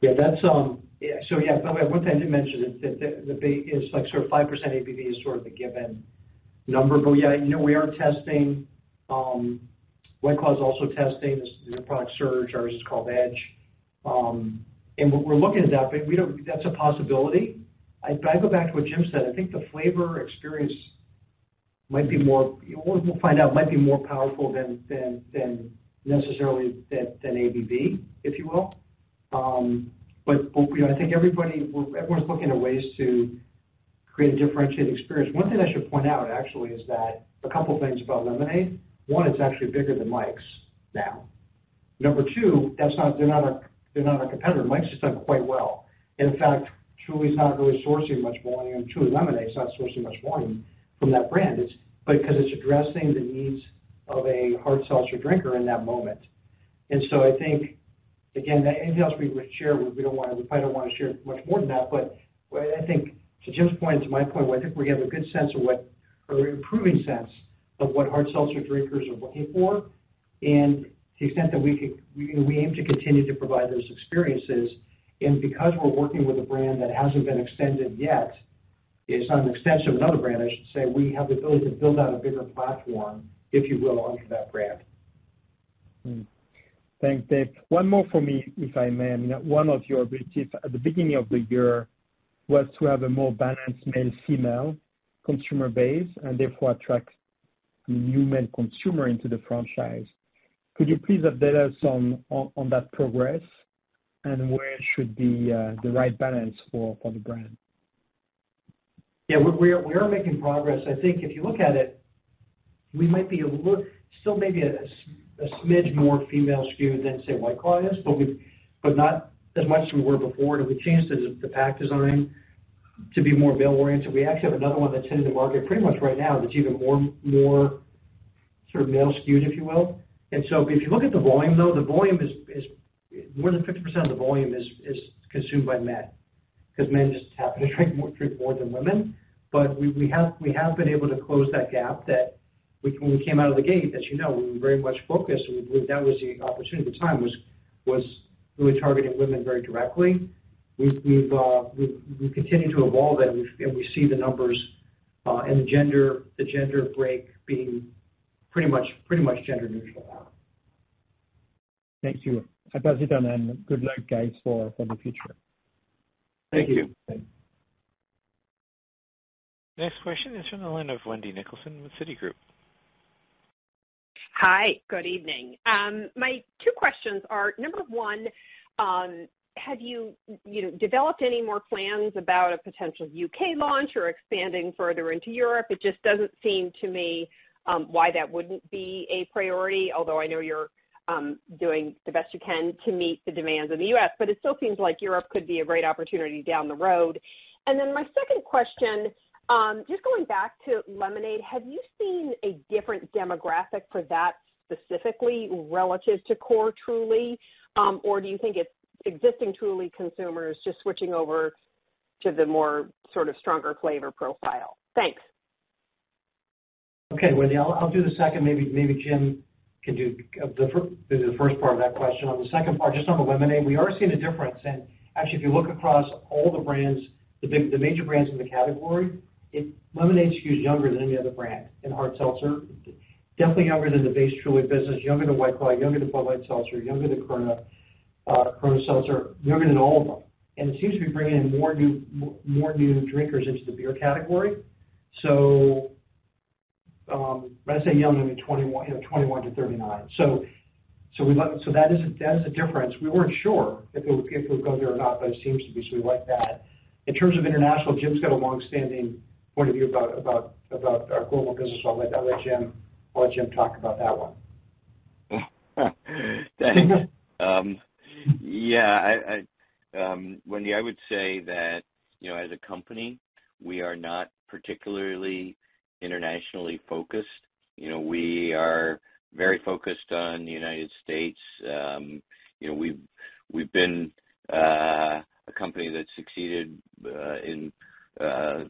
Yeah. So yeah, what I did mention is sort of 5% ABV is sort of the given number. But yeah, we are testing. White Claw is also testing the product Surge. Ours is called Edge. And we're looking at that, but that's a possibility. But I go back to what Jim said. I think the flavor experience might be more we'll find out might be more powerful than necessarily than ABV, if you will. But I think everyone's looking at ways to create a differentiated experience. One thing I should point out, actually, is that a couple of things about lemonade. One, it's actually bigger than Mike's now. Number two, they're not a competitor. Mike's has done quite well. In fact, Truly is not really sourcing much volume. Truly Hard Lemonade is not sourcing much volume from that brand because it's addressing the needs of a hard seltzer drinker in that moment. And so I think, again, anything else we share, we don't want to. We probably don't want to share much more than that. But I think to Jim's point, to my point, I think we have a good sense of what or an improving sense of what hard seltzer drinkers are looking for and the extent that we aim to continue to provide those experiences. And because we're working with a brand that hasn't been extended yet, it's an extension of another brand, I should say, we have the ability to build out a bigger platform, if you will, under that brand. Thanks, Dave. One more for me, if I may. I mean, one of your objectives at the beginning of the year was to have a more balanced male-female consumer base and therefore attract new male consumers into the franchise. Could you please update us on that progress and where should be the right balance for the brand? Yeah. We are making progress. I think if you look at it, we might be still maybe a smidge more female-skewed than, say, White Claw is, but not as much as we were before. And we changed the pack design to be more male-oriented. We actually have another one that's hitting the market pretty much right now that's even more sort of male-skewed, if you will. And so if you look at the volume, though, more than 50% of the volume is consumed by men because men just happen to drink more than women. But we have been able to close that gap that when we came out of the gate, as you know, we were very much focused. And we believe that was the opportunity at the time was really targeting women very directly. We've continued to evolve it, and we see the numbers and the gender break being pretty much gender-neutral now. Thank you. I'll pass it on, and good luck, guys, for the future. Thank you. Thank you. Next question is from the line of Wendy Nicholson with Citigroup. Hi. Good evening. My two questions are, number one, have you developed any more plans about a potential U.K. launch or expanding further into Europe? It just doesn't seem to me why that wouldn't be a priority, although I know you're doing the best you can to meet the demands in the U.S. But it still seems like Europe could be a great opportunity down the road. And then my second question, just going back to lemonade, have you seen a different demographic for that specifically relative to core Truly, or do you think it's existing Truly consumers just switching over to the more sort of stronger flavor profile? Thanks. Okay. Wendy, I'll do the second. Maybe Jim can do the first part of that question. On the second part, just on the lemonade, we are seeing a difference. And actually, if you look across all the brands, the major brands in the category, lemonade-skewed is younger than any other brand in hard seltzer. Definitely younger than the base Truly business, younger than White Claw, younger than Bud Light Seltzer, younger than Corona Hard Seltzer, younger than all of them. And it seems to be bringing in more new drinkers into the beer category. So when I say young, I mean 21 to 39. So that is a difference. We weren't sure if it would go there or not, but it seems to be, so we like that. In terms of international, Jim's got a long-standing point of view about our global business. I'll let Jim talk about that one. Thanks. Yeah. Wendy, I would say that as a company, we are not particularly internationally focused. We are very focused on the United States. We've been a company that succeeded in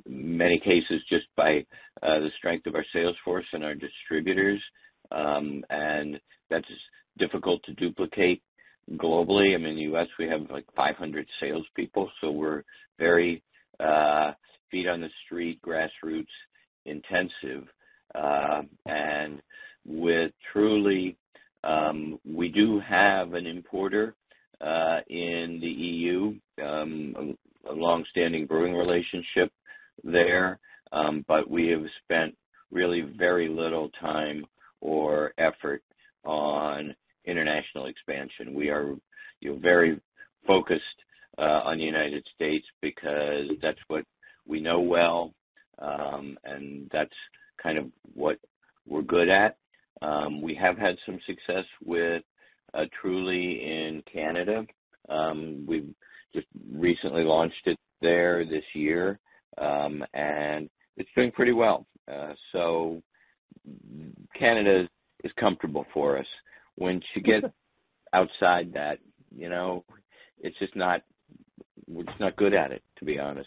many cases just by the strength of our salesforce and our distributors. And that's difficult to duplicate globally. I mean, in the U.S., we have like 500 salespeople, so we're very feet on the street, grassroots intensive. And with Truly, we do have an importer in the EU, a long-standing brewing relationship there, but we have spent really very little time or effort on international expansion. We are very focused on the United States because that's what we know well, and that's kind of what we're good at. We have had some success with Truly in Canada. We just recently launched it there this year, and it's doing pretty well. So Canada is comfortable for us. When she gets outside that, it's just not good at it, to be honest.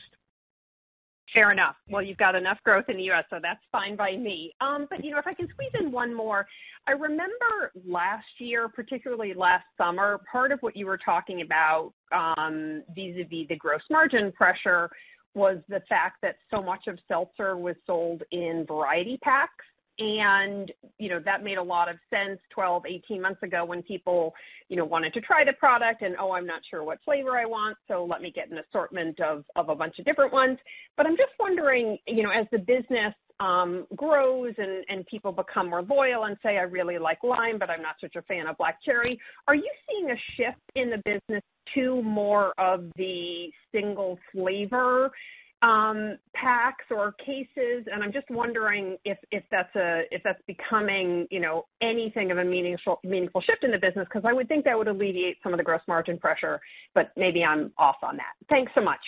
Fair enough. Well, you've got enough growth in the U.S., so that's fine by me. But if I can squeeze in one more, I remember last year, particularly last summer, part of what you were talking about vis-à-vis the gross margin pressure was the fact that so much of Seltzer was sold in variety packs. And that made a lot of sense 12, 18 months ago when people wanted to try the product and, "Oh, I'm not sure what flavor I want, so let me get an assortment of a bunch of different ones." But I'm just wondering, as the business grows and people become more loyal and say, "I really like lime, but I'm not such a fan of black cherry," are you seeing a shift in the business to more of the single flavor packs or cases? I'm just wondering if that's becoming anything of a meaningful shift in the business because I would think that would alleviate some of the gross margin pressure, but maybe I'm off on that. Thanks so much.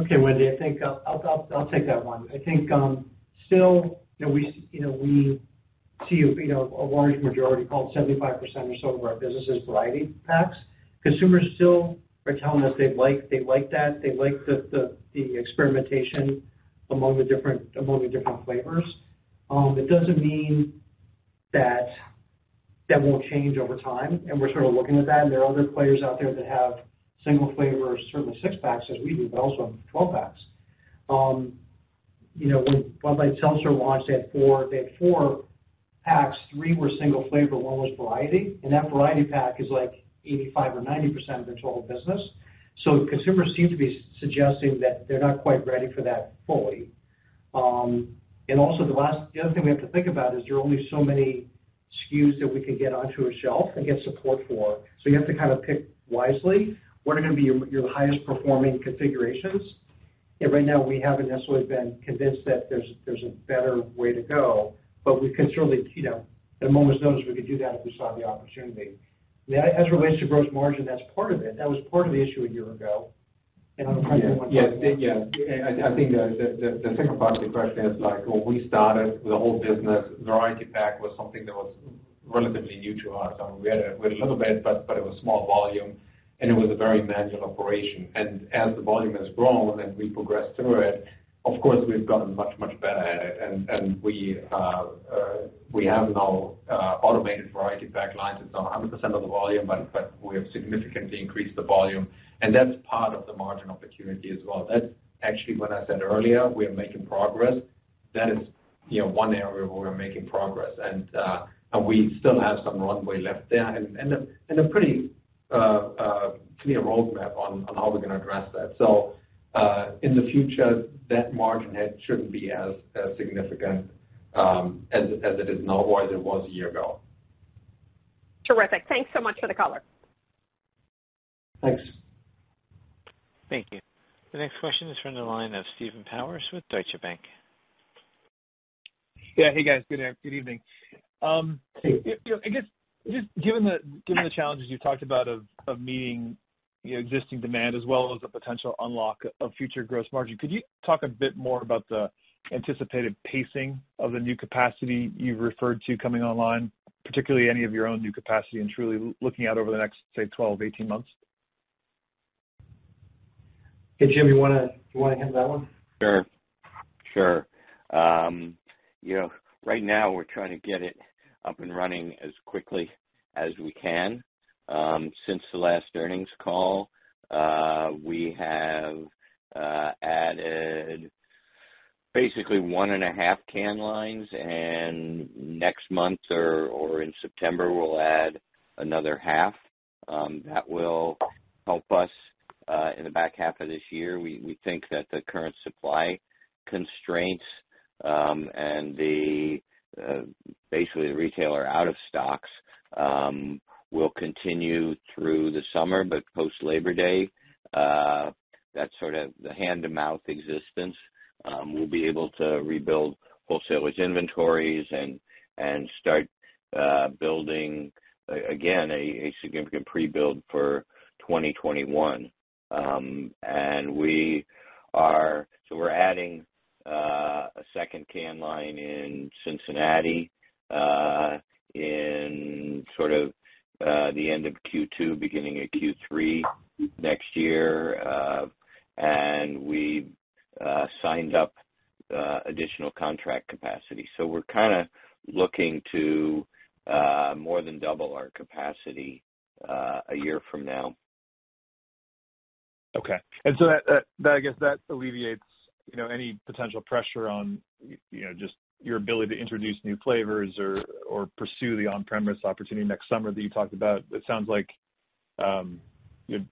Okay. Wendy, I think I'll take that one. I think still we see a large majority called 75% or so of our business is variety packs. Consumers still are telling us they like that. They like the experimentation among the different flavors. It doesn't mean that that won't change over time. And we're sort of looking at that. And there are other players out there that have single flavors, certainly six-packs as we do, but also 12-packs. When Bud Light Seltzer launched, they had four packs. Three were single flavor. One was variety. And that variety pack is like 85% or 90% of their total business. So consumers seem to be suggesting that they're not quite ready for that fully. And also, the other thing we have to think about is there are only so many SKUs that we can get onto a shelf and get support for. So you have to kind of pick wisely what are going to be your highest-performing configurations. And right now, we haven't necessarily been convinced that there's a better way to go, but we could certainly, at a moment's notice, we could do that if we saw the opportunity. As it relates to gross margin, that's part of it. That was part of the issue a year ago. And I'm afraid we won't talk about that. Yeah. Yeah. I think the second part of the question is, well, we started with a whole business. Variety pack was something that was relatively new to us. I mean, we had a little bit, but it was small volume, and it was a very manual operation. And as the volume has grown and we progressed through it, of course, we've gotten much, much better at it. And we have now automated variety pack lines. It's not 100% of the volume, but we have significantly increased the volume. And that's part of the margin opportunity as well. That's actually what I said earlier. We are making progress. That is one area where we're making progress. And we still have some runway left there and a pretty clear roadmap on how we're going to address that. In the future, that margin shouldn't be as significant as it is now or as it was a year ago. Terrific. Thanks so much for the color. Thanks. Thank you. The next question is from the line of Stephen Powers with Deutsche Bank. Yeah. Hey, guys. Good evening. I guess just given the challenges you've talked about of meeting existing demand as well as the potential unlock of future gross margin, could you talk a bit more about the anticipated pacing of the new capacity you've referred to coming online, particularly any of your own new capacity and Truly looking out over the next, say, 12, 18 months? Hey, Jim, you want to handle that one? Sure. Sure. Right now, we're trying to get it up and running as quickly as we can. Since the last earnings call, we have added basically one and a half can lines. And next month or in September, we'll add another half. That will help us in the back half of this year. We think that the current supply constraints and basically the retailer out of stocks will continue through the summer, but post-Labor Day, that sort of the hand-to-mouth existence, we'll be able to rebuild wholesalers' inventories and start building, again, a significant pre-build for 2021. And so we're adding a second can line in Cincinnati in sort of the end of Q2, beginning of Q3 next year. And we signed up additional contract capacity. So we're kind of looking to more than double our capacity a year from now. Okay, and so I guess that alleviates any potential pressure on just your ability to introduce new flavors or pursue the on-premise opportunity next summer that you talked about. It sounds like you've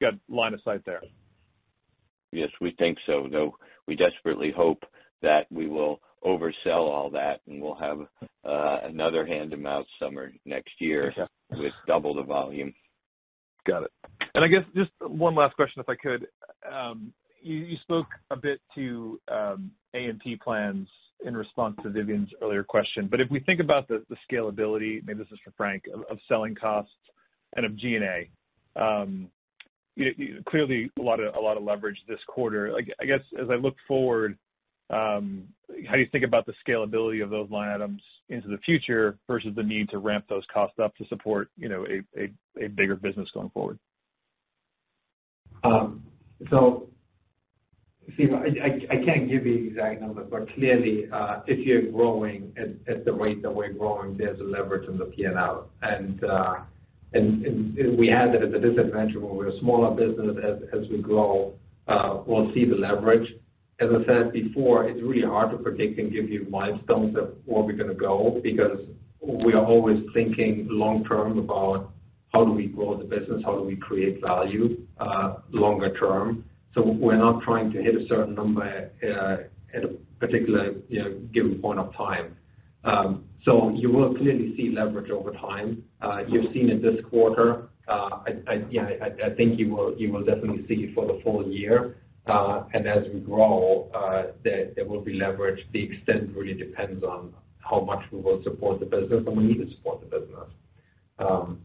got line of sight there. Yes, we think so. We desperately hope that we will oversell all that, and we'll have another hand-to-mouth summer next year with double the volume. Got it. And I guess just one last question, if I could. You spoke a bit to A&P plans in response to Vivien's earlier question. But if we think about the scalability, maybe this is for Frank, of selling costs and of G&A, clearly a lot of leverage this quarter. I guess as I look forward, how do you think about the scalability of those line items into the future versus the need to ramp those costs up to support a bigger business going forward? So I can't give you the exact number, but clearly, if you're growing at the rate that we're growing, there's a leverage on the P&L. And we had that as a disadvantage where we're a smaller business. As we grow, we'll see the leverage. As I said before, it's really hard to predict and give you milestones of where we're going to go because we are always thinking long-term about how do we grow the business, how do we create value longer term. So we're not trying to hit a certain number at a particular given point of time. So you will clearly see leverage over time. You've seen it this quarter. I think you will definitely see it for the full year. And as we grow, there will be leverage. The extent really depends on how much we will support the business and we need to support the business.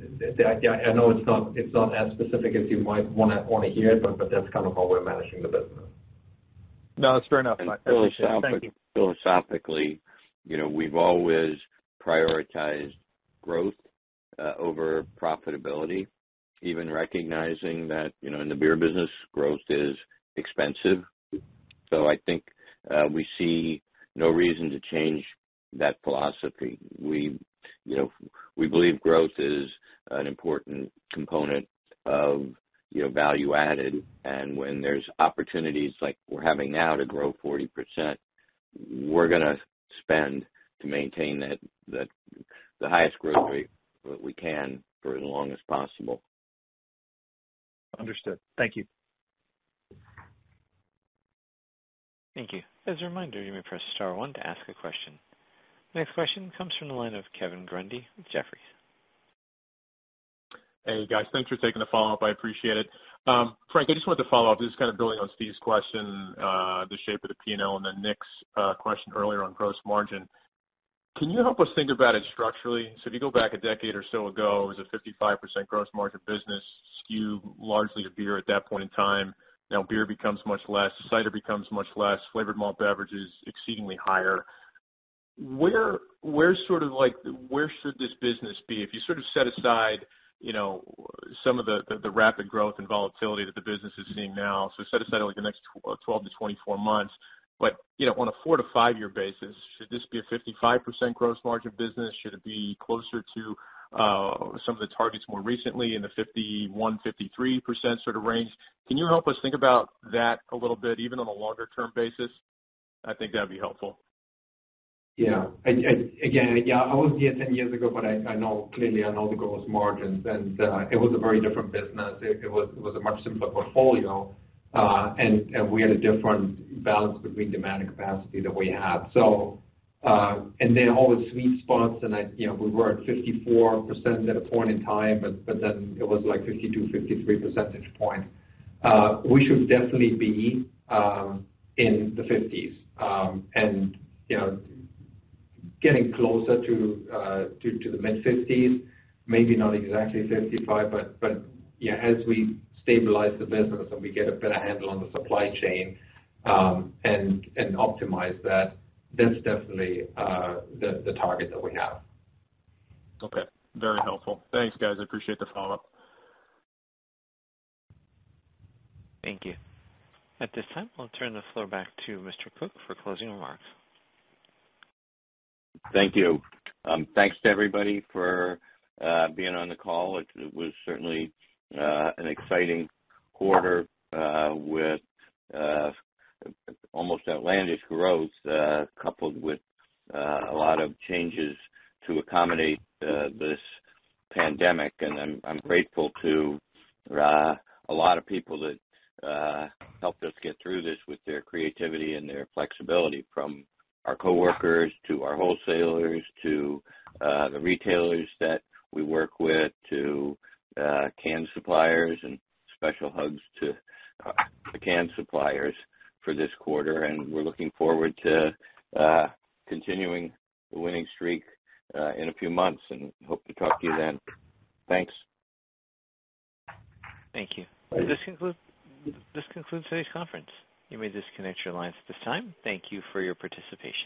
I know it's not as specific as you might want to hear, but that's kind of how we're managing the business. No, that's fair enough. Philosophically, we've always prioritized growth over profitability, even recognizing that in the beer business, growth is expensive. So I think we see no reason to change that philosophy. We believe growth is an important component of value added. And when there's opportunities like we're having now to grow 40%, we're going to spend to maintain the highest growth rate that we can for as long as possible. Understood. Thank you. Thank you. As a reminder, you may press star one to ask a question. The next question comes from the line of Kevin Grundy with Jefferies. Hey, guys. Thanks for taking the follow-up. I appreciate it. Frank, I just wanted to follow up. This is kind of building on Steve's question, the shape of the P&L and then Nick's question earlier on gross margin. Can you help us think about it structurally? So if you go back a decade or so ago, it was a 55% gross margin business, skewed largely to beer at that point in time. Now beer becomes much less, cider becomes much less, flavored malt beverages exceedingly higher. Where sort of should this business be if you sort of set aside some of the rapid growth and volatility that the business is seeing now? So set aside the next 12-24 months. But on a 4-5-year basis, should this be a 55% gross margin business? Should it be closer to some of the targets more recently in the 51%-53% sort of range? Can you help us think about that a little bit, even on a longer-term basis? I think that'd be helpful. Yeah. Again, I was here 10 years ago, but clearly, I know the gross margins, and it was a very different business. It was a much simpler portfolio, and we had a different balance between demand and capacity that we had. And there are always sweet spots, and we were at 54% at a point in time, but then it was like 52, 53 percentage points. We should definitely be in the 50s and getting closer to the mid-50s, maybe not exactly 55, but as we stabilize the business and we get a better handle on the supply chain and optimize that, that's definitely the target that we have. Okay. Very helpful. Thanks, guys. I appreciate the follow-up. Thank you. At this time, I'll turn the floor back to Mr. Koch for closing remarks. Thank you. Thanks to everybody for being on the call. It was certainly an exciting quarter with almost outlandish growth coupled with a lot of changes to accommodate this pandemic, and I'm grateful to a lot of people that helped us get through this with their creativity and their flexibility, from our coworkers to our wholesalers to the retailers that we work with to can suppliers and special hugs to the can suppliers for this quarter, and we're looking forward to continuing the winning streak in a few months and hope to talk to you then. Thanks. Thank you. This concludes today's conference. You may disconnect your lines at this time. Thank you for your participation.